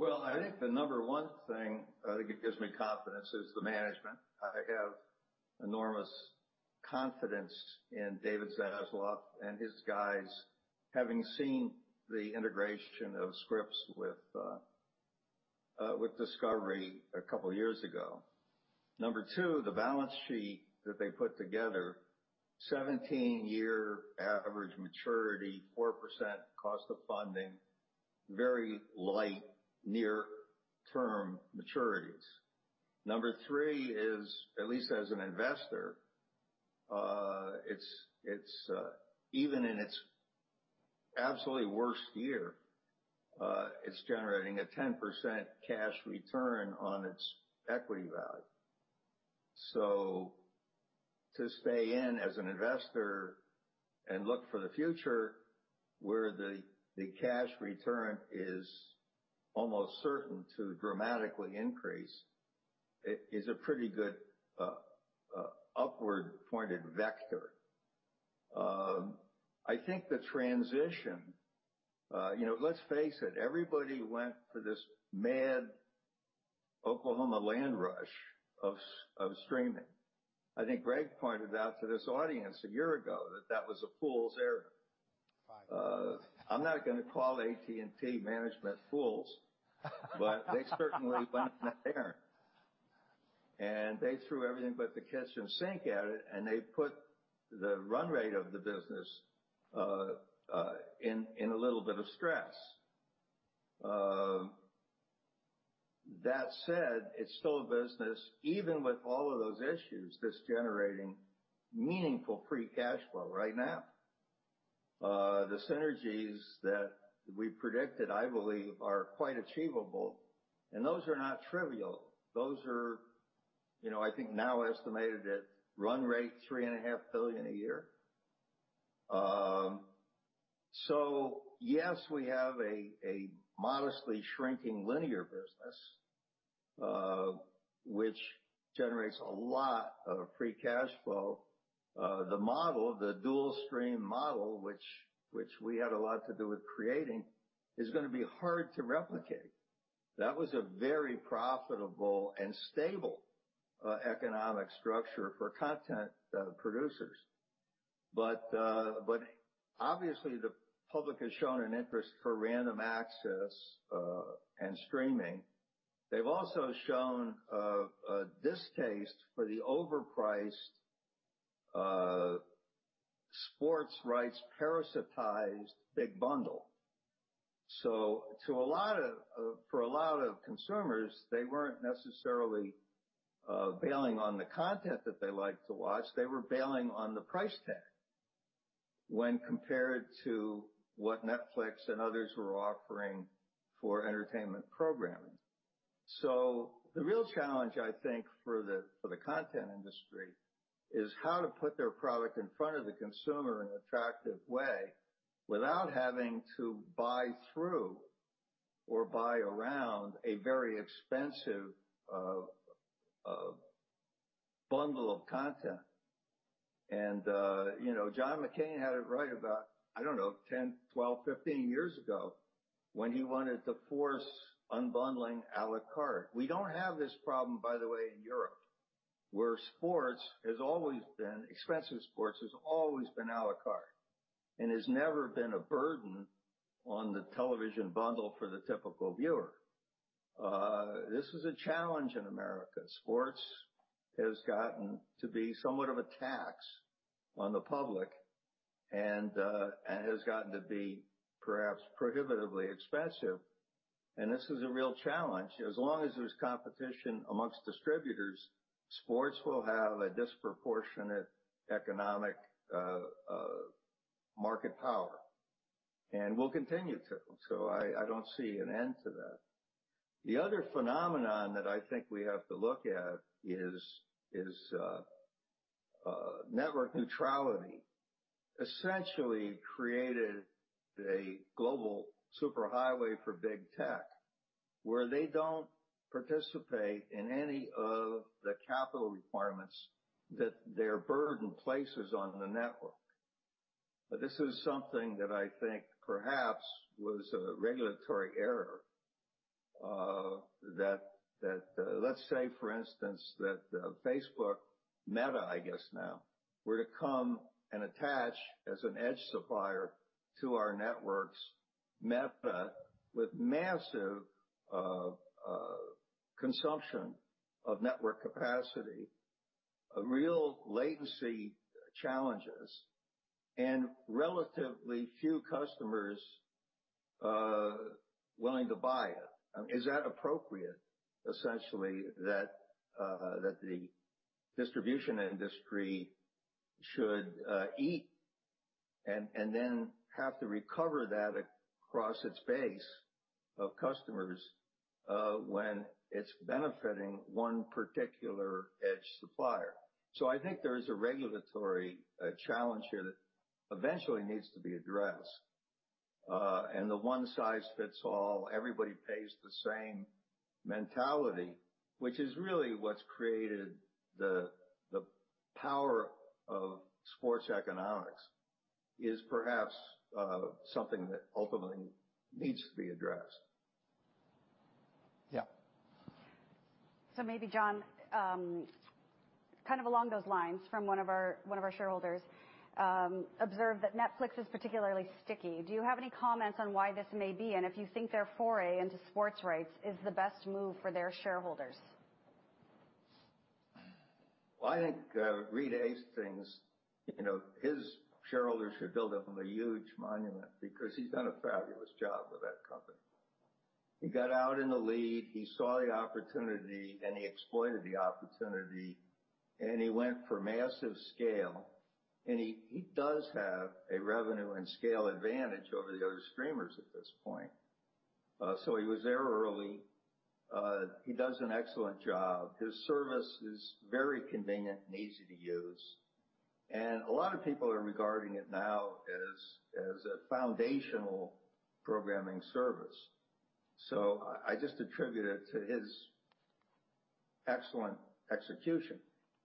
Well, I think the number one thing that I think it gives me confidence is the management. I have enormous confidence in David Zaslav and his guys, having seen the integration of Scripps with Discovery a couple years ago. Number two, the balance sheet that they put together, 17-year average maturity, 4% cost of funding, very light near-term maturities. Number three is, at least as an investor, it's even in its absolutely worst year, it's generating a 10% cash return on its equity value. To stay in as an investor and look for the future where the cash return is almost certain to dramatically increase is a pretty good upward-pointed vector. I think the transition, you know, let's face it, everybody went for this mad Oklahoma land rush of streaming. I think Greg pointed out to this audience a year ago that that was a fool's errand. Five years ago. I'm not gonna call AT&T management fools. They certainly went on an errand. They threw everything but the kitchen sink at it, and they put the run rate of the business in a little bit of stress. That said, it's still a business, even with all of those issues, that's generating meaningful free cash flow right now. The synergies that we predicted, I believe, are quite achievable, and those are not trivial. Those are, you know, I think now estimated at run rate $3.5 billion a year. Yes, we have a modestly shrinking linear business which generates a lot of free cash flow. The model, the dual stream model, which we had a lot to do with creating, is gonna be hard to replicate. That was a very profitable and stable economic structure for content producers. Obviously the public has shown an interest for random access and streaming. They've also shown a distaste for the overpriced sports rights parasitized big bundle. For a lot of consumers, they weren't necessarily bailing on the content that they liked to watch. They were bailing on the price tag when compared to what Netflix and others were offering for entertainment programming. The real challenge, I think, for the content industry, is how to put their product in front of the consumer in an attractive way without having to buy through or buy around a very expensive bundle of content. You know, John McCain had it right about, I don't know, 10, 12, 15 years ago, when he wanted to force unbundling à la carte. We don't have this problem, by the way, in Europe, where sports has always been, expensive sports, has always been à la carte and has never been a burden on the television bundle for the typical viewer. This is a challenge in America. Sports has gotten to be somewhat of a tax on the public and has gotten to be perhaps prohibitively expensive. This is a real challenge. As long as there's competition amongst distributors, sports will have a disproportionate economic market power, and will continue to. I don't see an end to that. The other phenomenon that I think we have to look at is Net Neutrality essentially created a global superhighway for big tech, where they don't participate in any of the capital requirements that their burden places on the network. This is something that I think perhaps was a regulatory error. Let's say, for instance, that Facebook, Meta, I guess now, were to come and attach as an edge supplier to our networks, Meta with massive consumption of network capacity, a real latency challenges, and relatively few customers willing to buy it. Is that appropriate, essentially, that the distribution industry should eat and then have to recover that across its base of customers when it's benefiting one particular edge supplier? I think there is a regulatory challenge here that eventually needs to be addressed. The one-size-fits-all, everybody pays the same mentality, which is really what's created the power of sports economics, is perhaps something that ultimately needs to be addressed. Yeah. Maybe, John, kind of along those lines, one of our shareholders observed that Netflix is particularly sticky. Do you have any comments on why this may be, and if you think their foray into sports rights is the best move for their shareholders? Well, I think Reed Hastings, you know, his shareholders should build him a huge monument because he's done a fabulous job with that company. He got out in the lead, he saw the opportunity, and he exploited the opportunity, and he went for massive scale. He does have a revenue and scale advantage over the other streamers at this point. He was there early. He does an excellent job. His service is very convenient and easy to use. A lot of people are regarding it now as a foundational programming service. I just attribute it to his excellent execution.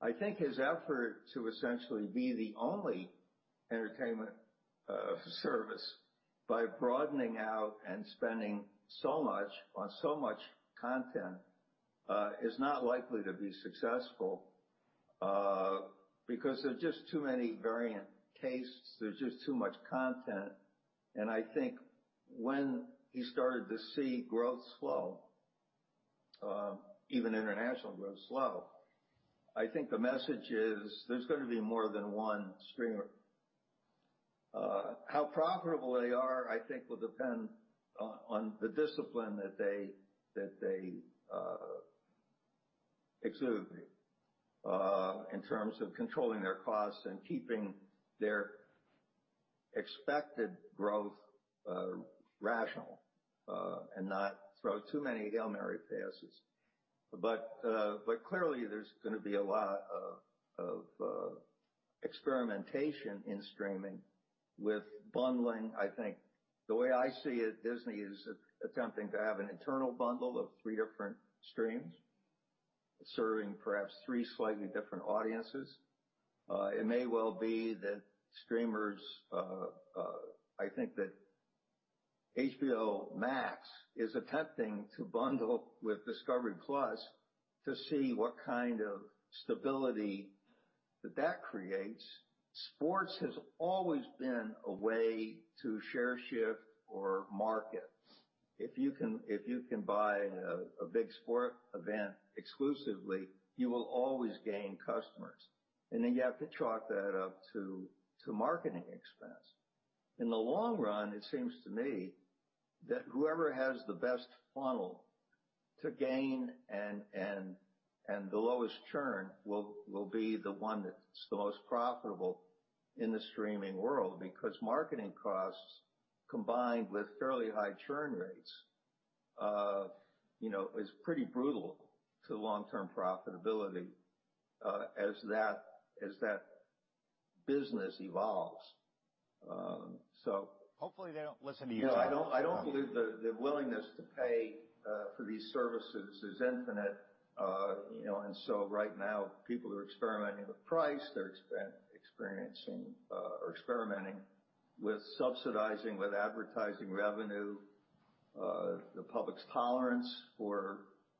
I think his effort to essentially be the only entertainment service by broadening out and spending so much on content is not likely to be successful because there are just too many variant tastes, there's just too much content. I think when he started to see growth slow, even international growth slow, I think the message is there's gonna be more than one streamer. How profitable they are, I think, will depend on the discipline that they exude in terms of controlling their costs and keeping their expected growth rational and not throw too many Hail Mary passes. Clearly, there's gonna be a lot of experimentation in streaming with bundling, I think. The way I see it, Disney is attempting to have an internal bundle of three different streams serving perhaps three slightly different audiences. I think that HBO Max is attempting to bundle with Discovery+ to see what kind of stability that creates. Sports has always been a way to share shift or market. If you can buy a big sport event exclusively, you will always gain customers, and then you have to chalk that up to marketing expense. In the long run, it seems to me that whoever has the best funnel to gain and the lowest churn will be the one that's the most profitable in the streaming world because marketing costs, combined with fairly high churn rates, you know, is pretty brutal to long-term profitability as that business evolves. Hopefully, they don't listen to you, John. No, I don't believe the willingness to pay for these services is infinite. You know, right now, people are experimenting with price. They're experimenting with subsidizing with advertising revenue. The public's tolerance for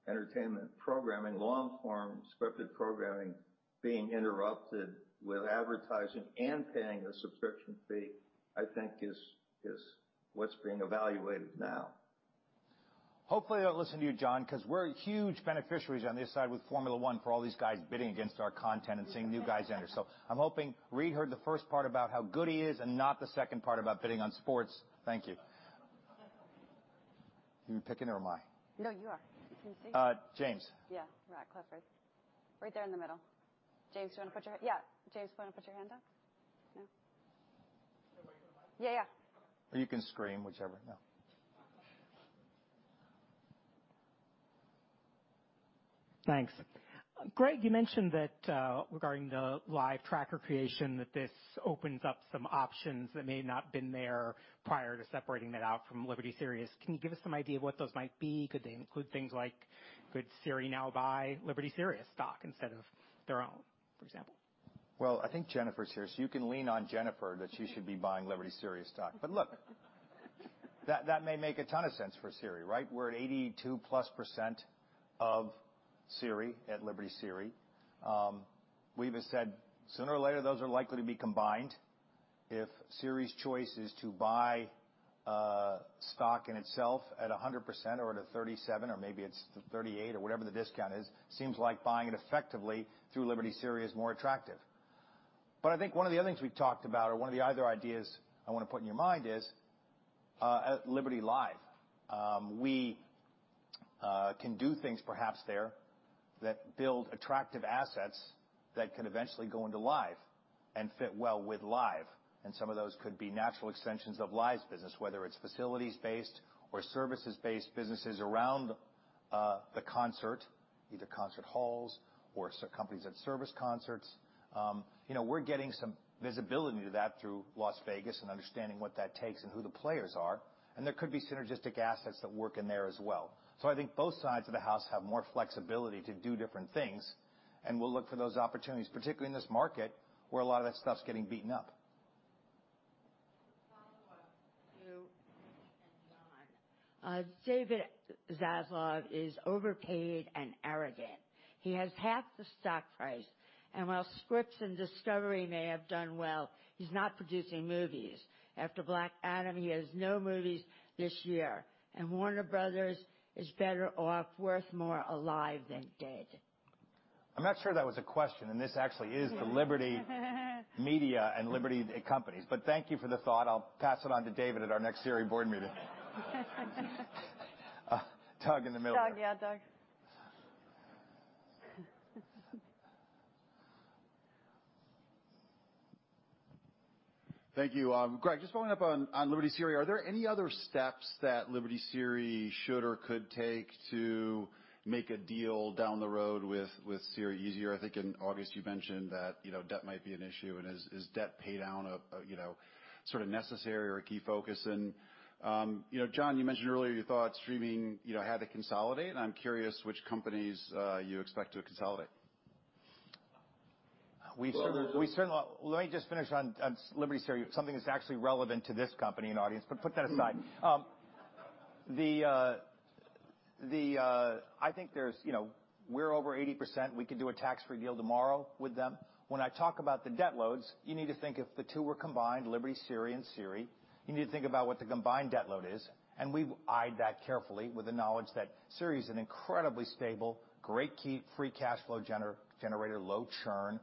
entertainment programming, long-form scripted programming being interrupted with advertising and paying a subscription fee, I think is what's being evaluated now. Hopefully, they don't listen to you, John, 'cause we're huge beneficiaries on this side with Formula One for all these guys bidding against our content and seeing new guys enter. I'm hoping Reed heard the first part about how good he is and not the second part about bidding on sports. Thank you. You picking or am I? No, you are. Can you see? James. Yeah. Right. Close. Right there in the middle. Yeah. James, wanna put your hand up? No? Wait for the mic? Yeah, yeah. You can scream, whichever. No. Thanks. Greg, you mentioned that regarding the Live tracker creation, that this opens up some options that may not been there prior to separating that out from Liberty Sirius. Can you give us some idea of what those might be? Could they include things like could Siri now buy Liberty Sirius stock instead of their own, for example? Well, I think Jennifer's here, so you can lean on Jennifer that she should be buying Liberty Sirius stock. But look- That, that may make a ton of sense for Siri, right? We're at 82+% of Siri at Liberty Siri. Um, we've said sooner or later, those are likely to be combined. If Siri's choice is to buy, uh, stock in itself at a 100% or at a 37% or maybe it's 38% or whatever the discount is, seems like buying it effectively through Liberty Siri is more attractive. But I think one of the other things we've talked about or one of the other ideas I wanna put in your mind is, uh, at Liberty Live. We can do things perhaps there that build attractive assets that could eventually go into Live and fit well with Live, and some of those could be natural extensions of Live's business, whether it's facilities-based or services-based businesses around the concert, either concert halls or companies that service concerts. You know, we're getting some visibility to that through Las Vegas and understanding what that takes and who the players are, and there could be synergistic assets that work in there as well. I think both sides of the house have more flexibility to do different things, and we'll look for those opportunities, particularly in this market, where a lot of that stuff's getting beaten up. Follow-up to John. David Zaslav is overpaid and arrogant. He has halved the stock price, and while Scripps and Discovery may have done well, he's not producing movies. After Black Adam, he has no movies this year, and Warner Bros. is better off, worth more alive than dead. I'm not sure that was a question, and this actually is the Liberty Media and Liberty companies. Thank you for the thought. I'll pass it on to David at our next Siri board meeting. Doug in the middle. Doug, yeah. Doug. Thank you. Greg, just following up on Liberty Siri, are there any other steps that Liberty Siri should or could take to make a deal down the road with Siri easier? I think in August you mentioned that, you know, debt might be an issue. Is debt paydown a, you know, sort of necessary or a key focus? You know, John, you mentioned earlier you thought streaming, you know, had to consolidate, and I'm curious which companies you expect to consolidate. Let me just finish on Liberty Siri, something that's actually relevant to this company and audience. Put that aside. You know, we're over 80%. We can do a tax-free deal tomorrow with them. When I talk about the debt loads, you need to think if the two were combined, Liberty Siri and Siri, you need to think about what the combined debt load is. We've eyed that carefully with the knowledge that Siri is an incredibly stable, great key free cash flow generator, low churn.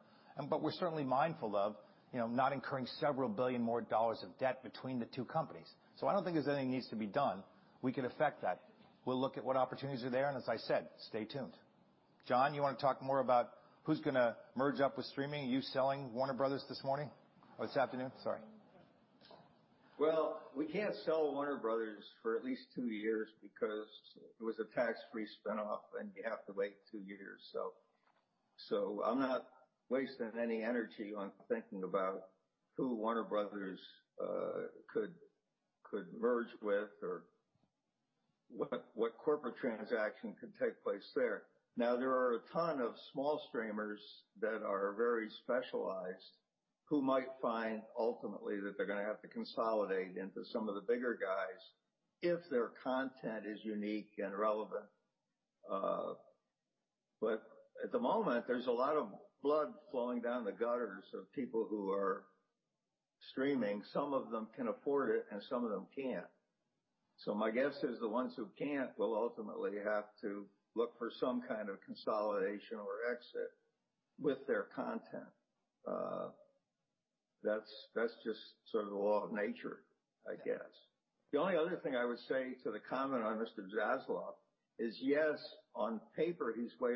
We're certainly mindful of, you know, not incurring several billion more dollars of debt between the two companies. I don't think there's anything needs to be done. We could affect that. We'll look at what opportunities are there, and as I said, stay tuned. John, you wanna talk more about who's gonna merge up with streaming? You selling Warner Bros. this morning or this afternoon? Sorry. Well, we can't sell Warner Bros. for at least two years because it was a tax-free spinoff, and you have to wait two years. I'm not wasting any energy on thinking about who Warner Bros. could merge with or what corporate transaction could take place there. Now, there are a ton of small streamers that are very specialized who might find ultimately that they're gonna have to consolidate into some of the bigger guys if their content is unique and relevant. At the moment, there's a lot of blood flowing down the gutters of people who are streaming. Some of them can afford it, and some of them can't. My guess is the ones who can't will ultimately have to look for some kind of consolidation or exit with their content. That's just sort of the law of nature, I guess. The only other thing I would say to the comment on Mr. Zaslav is, yes, on paper, he's way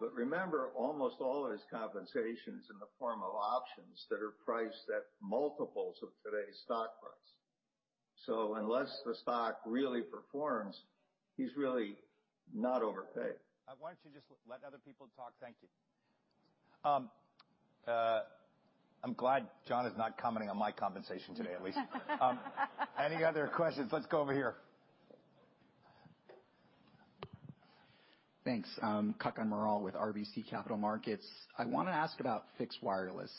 overpaid. Remember, almost all of his compensation's in the form of options that are priced at multiples of today's stock price. Unless the stock really performs, he's really not overpaid. Why don't you just let other people talk? Thank you. I'm glad John is not commenting on my compensation today, at least. Any other questions? Let's go over here. Thanks. Kutgun Maral with RBC Capital Markets. I wanna ask about fixed wireless.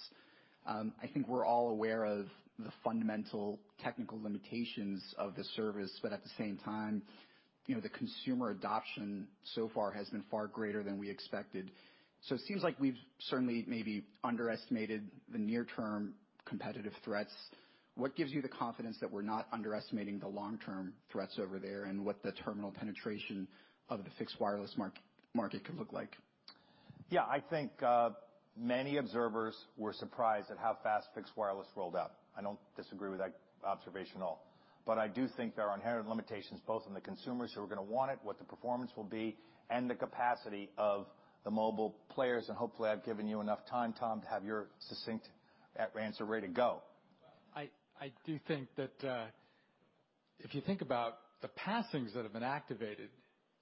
I think we're all aware of the fundamental technical limitations of the service, but at the same time, you know, the consumer adoption so far has been far greater than we expected. It seems like we've certainly maybe underestimated the near-term competitive threats. What gives you the confidence that we're not underestimating the long-term threats over there and what the terminal penetration of the fixed wireless market could look like? Yeah. I think many observers were surprised at how fast fixed wireless rolled out. I don't disagree with that observation at all. I do think there are inherent limitations both on the consumers who are gonna want it, what the performance will be, and the capacity of the mobile players. Hopefully, I've given you enough time, Tom, to have your succinct answer ready to go. I do think that if you think about the passings that have been activated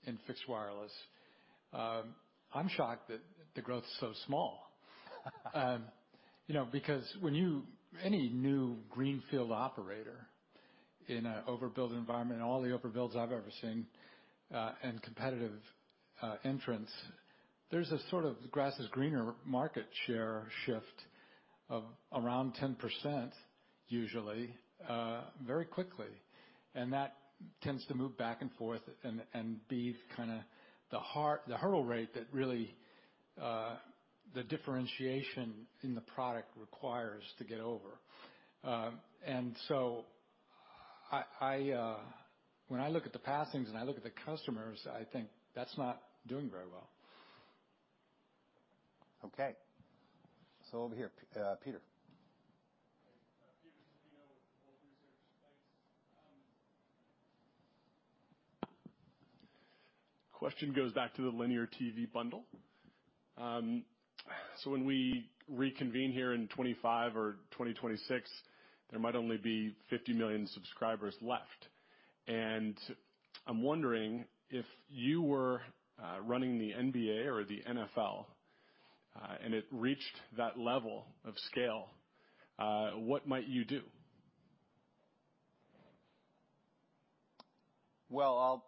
in fixed wireless, I'm shocked that the growth is so small. You know, because any new greenfield operator in an overbuild environment and all the overbuilds I've ever seen and competitive entrants, there's a sort of grass is greener market share shift of around 10% usually very quickly. That tends to move back and forth and be kinda the hurdle rate that really the differentiation in the product requires to get over. When I look at the passings and I look at the customers, I think that's not doing very well. Okay. Over here, Peter. Peter Supino with Wolfe Research. Thanks. Question goes back to the linear T.V. bundle. When we reconvene here in 2025 or 2026, there might only be 50 million subscribers left. I'm wondering if you were running the NBA or the NFL and it reached that level of scale, what might you do? Well,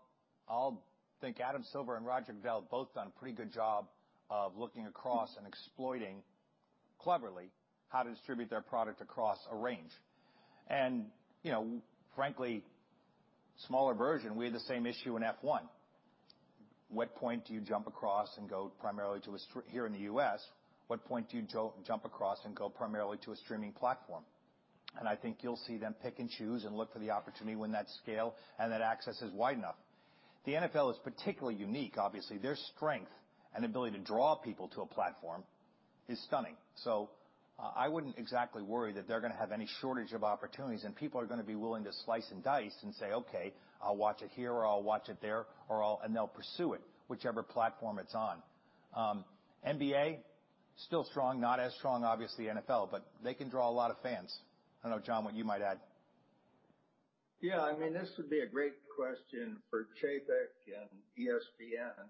I think Adam Silver and Roger Goodell both done a pretty good job of looking across and exploiting cleverly how to distribute their product across a range. You know, frankly, smaller version, we had the same issue in F1. Here in the U.S., what point do you jump across and go primarily to a streaming platform? I think you'll see them pick and choose and look for the opportunity when that scale and that access is wide enough. The NFL is particularly unique. Obviously, their strength and ability to draw people to a platform is stunning. I wouldn't exactly worry that they're gonna have any shortage of opportunities, and people are gonna be willing to slice and dice and say, "Okay, I'll watch it here or I'll watch it there." They'll pursue it, whichever platform it's on. NBA, still strong. Not as strong, obviously, NFL, but they can draw a lot of fans. I don't know, John, what you might add. Yeah. I mean, this would be a great question for Chapek and ESPN.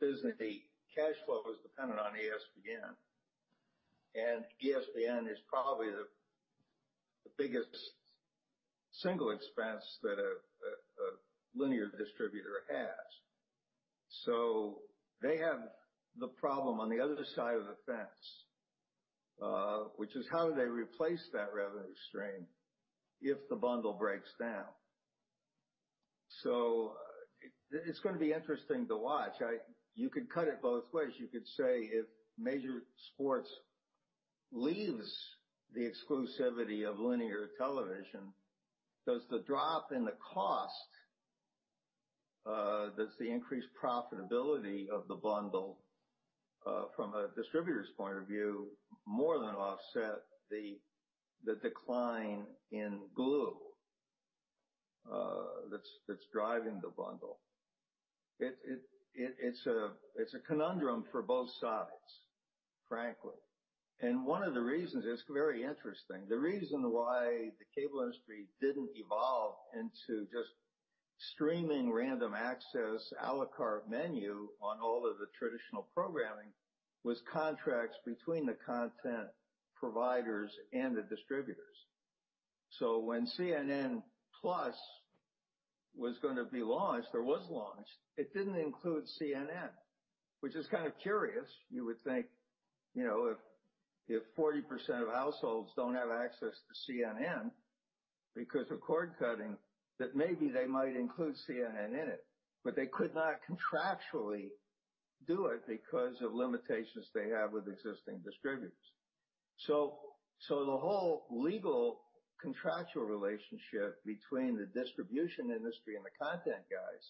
Physically, cash flow is dependent on ESPN, and ESPN is probably the biggest single expense that a linear distributor has. They have the problem on the other side of the fence, which is how do they replace that revenue stream if the bundle breaks down? It's gonna be interesting to watch. You could cut it both ways. You could say if major sports leaves the exclusivity of linear television, does the drop in the cost, the increased profitability of the bundle, from a distributor's point of view, more than offset the decline in glue that's driving the bundle? It's a conundrum for both sides, frankly. One of the reasons it's very interesting, the reason why the cable industry didn't evolve into just streaming random access, à la carte menu on all of the traditional programming was contracts between the content providers and the distributors. When CNN+ was gonna be launched or was launched, it didn't include CNN, which is kind of curious. You would think, you know, if 40% of households don't have access to CNN because of cord cutting, that maybe they might include CNN in it, but they could not contractually do it because of limitations they have with existing distributors. The whole legal contractual relationship between the distribution industry and the content guys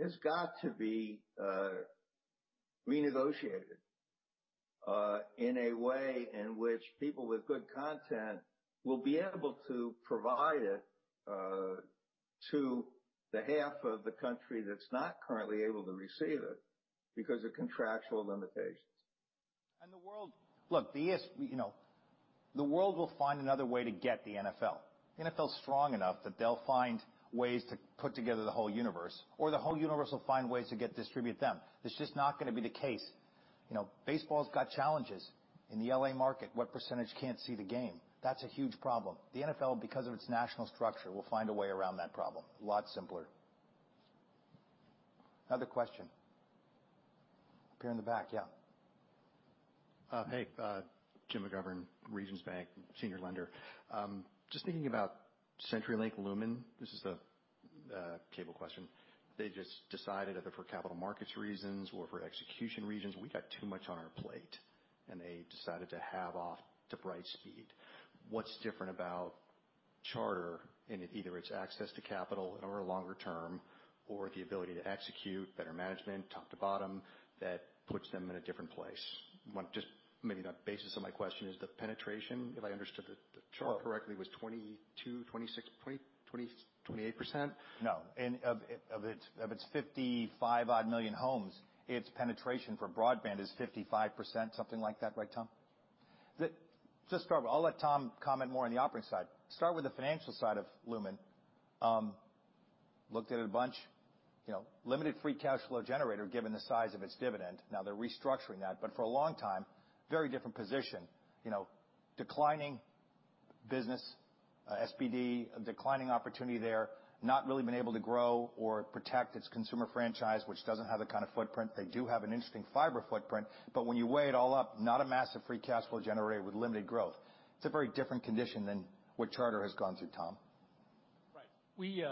has got to be renegotiated in a way in which people with good content will be able to provide it to the half of the country that's not currently able to receive it because of contractual limitations. Look, you know, the world will find another way to get the NFL. NFL's strong enough that they'll find ways to put together the whole universe or the whole universe will find ways to get distribute them. That's just not gonna be the case. You know, baseball's got challenges. In the L.A. market, what percent can't see the game? That's a huge problem. The NFL, because of its national structure, will find a way around that problem. A lot simpler. Another question. Up here in the back. Yeah. Jim McGovern, Regions Bank Senior Lender. Just thinking about CenturyLink Lumen, this is a cable question. They just decided either for capital markets reasons or for execution reasons, we got too much on our plate, and they decided to halve off to Brightspeed. What's different about Charter in either its access to capital or longer term, or the ability to execute better management, top to bottom, that puts them in a different place? Just maybe the basis of my question is the penetration, if I understood the chart correctly, was 22%, 26.20%, 28%. No. Of its 55-odd million homes, its penetration for broadband is 55%, something like that. Right, Tom? I'll let Tom comment more on the operating side. Start with the financial side of Lumen. Looked at it a bunch. You know, limited free cash flow generator, given the size of its dividend. Now they're restructuring that, but for a long time, very different position. You know, declining business, SMB, a declining opportunity there. Not really been able to grow or protect its consumer franchise, which doesn't have the kind of footprint. They do have an interesting fiber footprint, but when you weigh it all up, not a massive free cash flow generator with limited growth. It's a very different condition than what Charter has gone through, Tom. Right.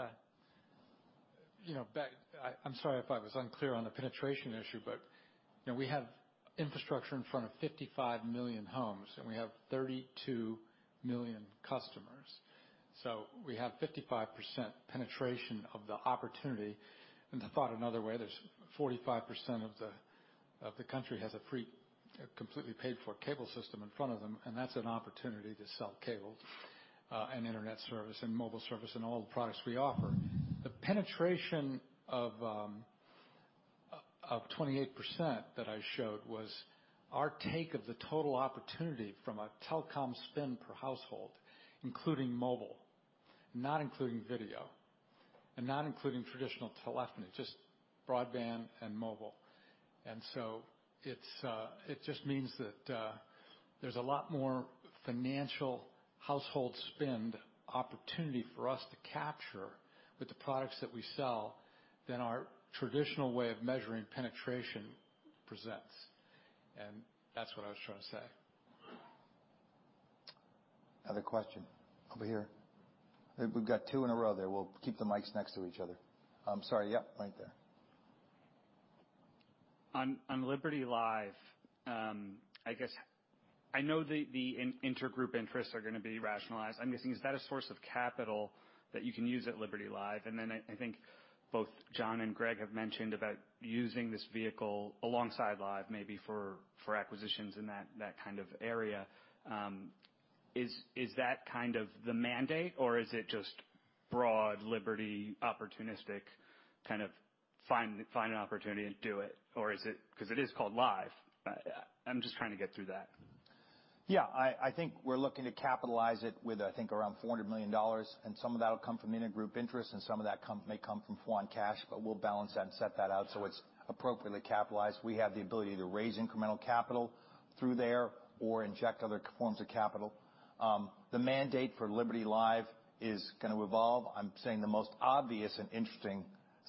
I'm sorry if I was unclear on the penetration issue. You know, we have infrastructure in front of 55 million homes, and we have 32 million customers. We have 55% penetration of the opportunity. Thought another way, there's 45% of the country has a free, completely paid for cable system in front of them, and that's an opportunity to sell cable and internet service and mobile service and all the products we offer. The penetration of 28% that I showed was our take of the total opportunity from a telecom spend per household, including mobile, not including video, and not including traditional telephony, just broadband and mobile. It just means that there's a lot more financial household spend opportunity for us to capture with the products that we sell than our traditional way of measuring penetration presents. That's what I was trying to say. Another question. Over here. We've got two in a row there. We'll keep the mics next to each other. I'm sorry. Yeah, right there. On Liberty Live, I guess I know the intergroup interests are gonna be rationalized. I'm guessing, is that a source of capital that you can use at Liberty Live? I think both John and Greg have mentioned about using this vehicle alongside Live, maybe for acquisitions in that kind of area. Is that kind of the mandate, or is it just broad Liberty opportunistic, kind of find an opportunity and do it? Is it? 'Cause it is called Live. I'm just trying to get through that. Yeah, I think we're looking to capitalize it with, I think, around $400 million, and some of that'll come from intergroup interest, and some of that may come from foreign cash, but we'll balance that and set that out so it's appropriately capitalized. We have the ability to raise incremental capital through there or inject other forms of capital. The mandate for Liberty Live is gonna evolve. I'm saying the most obvious and interesting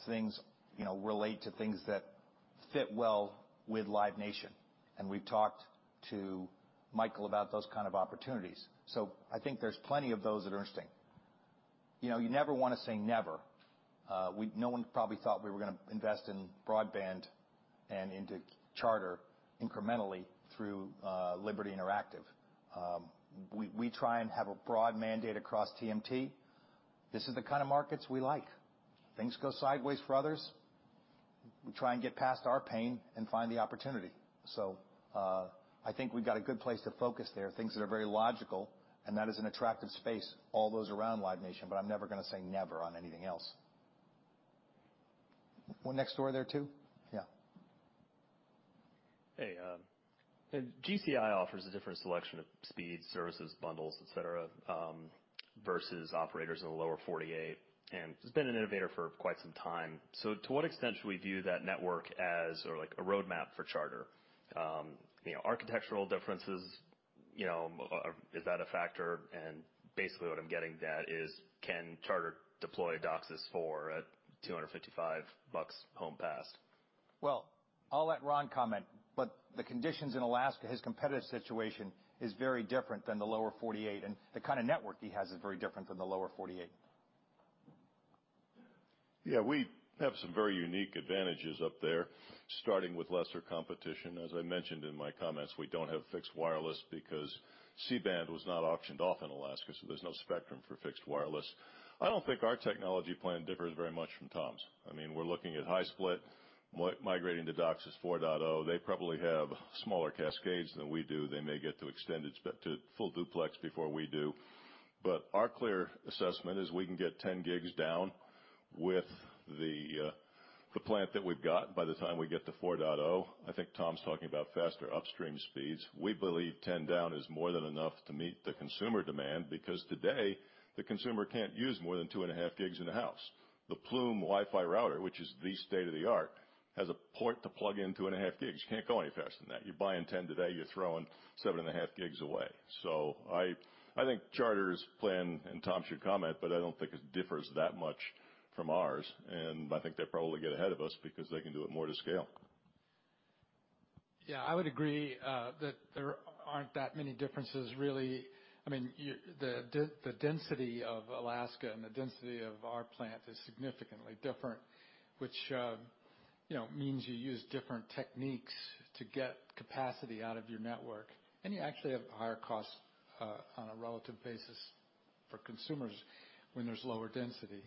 things, you know, relate to things that fit well with Live Nation, and we've talked to Michael about those kind of opportunities. I think there's plenty of those that are interesting. You know, you never wanna say never. No one probably thought we were gonna invest in broadband and into Charter incrementally through Liberty Interactive. We try and have a broad mandate across TMT. This is the kind of markets we like. Things go sideways for others, we try and get past our pain and find the opportunity. I think we've got a good place to focus there, things that are very logical, and that is an attractive space, all those around Live Nation, but I'm never gonna say never on anything else. One next door there, too? Yeah. Hey, GCI offers a different selection of speed, services, bundles, et cetera versus operators in the Lower 48, and it's been an innovator for quite some time. To what extent should we view that network as or like a roadmap for Charter? You know, architectural differences, you know, is that a factor? Basically what I'm getting at is can Charter deploy DOCSIS for $255 home pass? Well, I'll let Ron comment, but the conditions in Alaska, his competitive situation is very different than the Lower 48, and the kind of network he has is very different than the Lower 48. Yeah. We have some very unique advantages up there, starting with lesser competition. As I mentioned in my comments, we don't have fixed wireless because C-band was not auctioned off in Alaska, so there's no spectrum for fixed wireless. I don't think our technology plan differs very much from Tom's. I mean, we're looking at high-split, migrating to DOCSIS 4.0. They probably have smaller cascades than we do. They may get to Full Duplex before we do. Our clear assessment is we can get 10 gigs down with the plant that we've got by the time we get to 4.0. I think Tom's talking about faster upstream speeds. We believe 10 down is more than enough to meet the consumer demand because today, the consumer can't use more than 2.5 gigs in a house. The Plume WiFi router, which is the state of the art, has a port to plug in 2.5 gigs. You can't go any faster than that. You're buying 10 today, you're throwing 7.5 gigs away. I think Charter's plan, and Tom should comment, but I don't think it differs that much from ours, and I think they probably get ahead of us because they can do it more to scale. Yeah. I would agree that there aren't that many differences really. I mean, the density of Alaska and the density of our plant is significantly different, which, you know, means you use different techniques to get capacity out of your network, and you actually have higher costs on a relative basis for consumers when there's lower density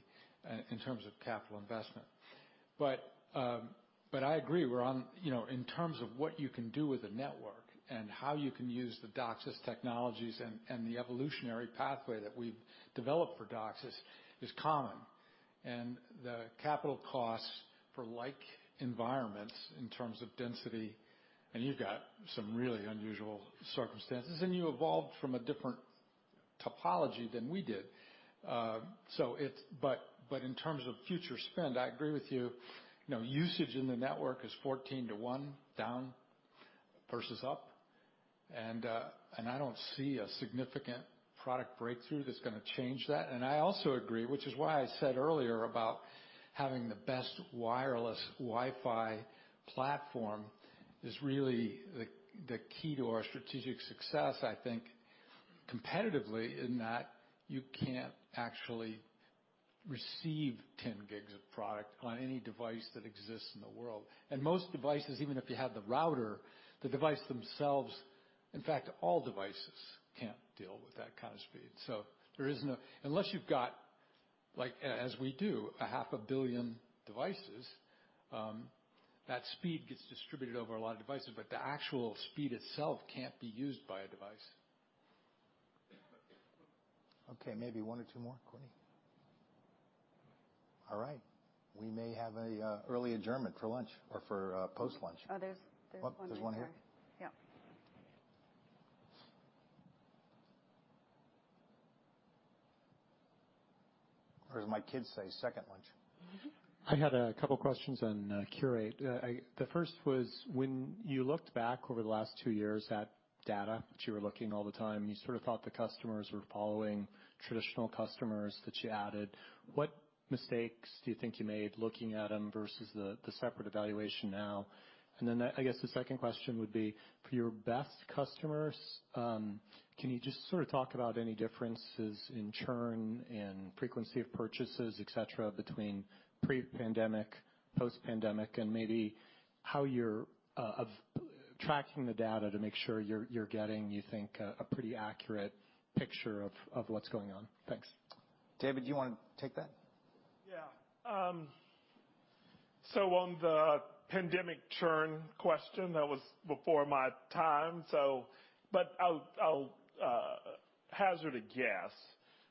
in terms of capital investment. I agree, we're on, you know, in terms of what you can do with a network and how you can use the DOCSIS technologies and the evolutionary pathway that we've developed for DOCSIS is common. The capital costs for like environments in terms of density, and you've got some really unusual circumstances, and you evolved from a different topology than we did. In terms of future spend, I agree with you know, usage in the network is 14/1 down versus up, and I don't see a significant product breakthrough that's gonna change that. I also agree, which is why I said earlier about having the best wireless Wi-Fi platform is really the key to our strategic success, I think, competitively in that you can't actually receive 10 gigs of product on any device that exists in the world. Most devices, even if you had the router, the device themselves, in fact, all devices can't deal with that kind of speed. Unless you've got, like, as we do, 500,000 devices, that speed gets distributed over a lot of devices, but the actual speed itself can't be used by a device. Okay, maybe one or two more, Courtney. All right. We may have a early adjournment for lunch or for post-lunch. Oh, there's one more. Oh, there's one here. Yeah. As my kids say, second lunch. I had a couple questions on Qurate. The first was, when you looked back over the last two years at data that you were looking all the time, you sort of thought the customers were following traditional customers that you added. What mistakes do you think you made looking at them versus the separate evaluation now? I guess the second question would be, for your best customers, can you just sort of talk about any differences in churn and frequency of purchases, et cetera, between pre-pandemic, post-pandemic, and maybe how you're tracking the data to make sure you're getting, you think, a pretty accurate picture of what's going on? Thanks. David, do you wanna take that? Yeah. On the pandemic churn question, that was before my time. Hazard a guess,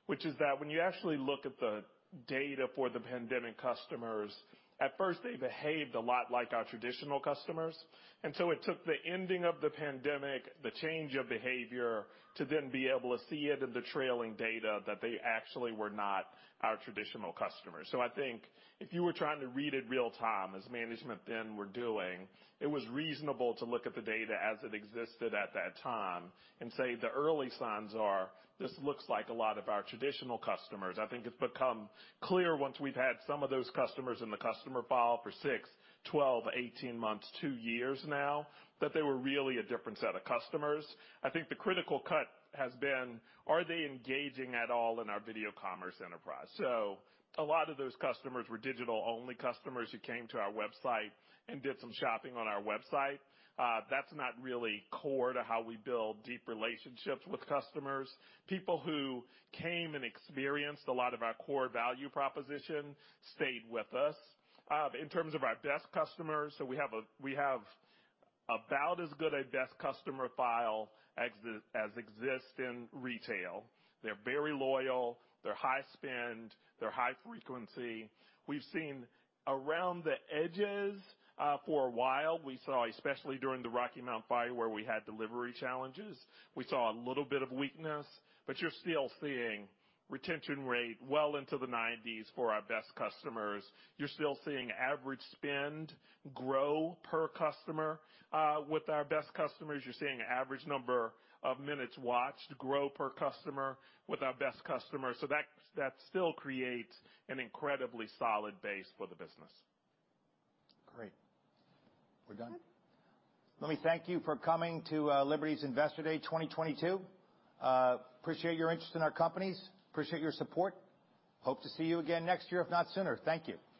which is that when you actually look at the data for the pandemic customers, at first, they behaved a lot like our traditional customers. It took the ending of the pandemic, the change of behavior to then be able to see it in the trailing data that they actually were not our traditional customers. I think if you were trying to read it real-time as management then were doing, it was reasonable to look at the data as it existed at that time and say, the early signs are this looks like a lot of our traditional customers. I think it's become clear once we've had some of those customers in the customer file for six, 12, 18 months, two years now, that they were really a different set of customers. I think the critical cut has been, are they engaging at all in our video commerce enterprise? A lot of those customers were digital-only customers who came to our website and did some shopping on our website. That's not really core to how we build deep relationships with customers. People who came and experienced a lot of our core value proposition stayed with us. In terms of our best customers, we have about as good a best customer file as exists in retail. They're very loyal. They're high spend. They're high frequency. We've seen around the edges for a while. We saw, especially during the Rocky Mount fire, where we had delivery challenges, we saw a little bit of weakness, but you're still seeing retention rate well into the 90s for our best customers. You're still seeing average spend grow per customer with our best customers. You're seeing average number of minutes watched grow per customer with our best customers. That still creates an incredibly solid base for the business. Great. We're done. Let me thank you for coming to Liberty's Investor Day 2022. Appreciate your interest in our companies. Appreciate your support. Hope to see you again next year, if not sooner. Thank you.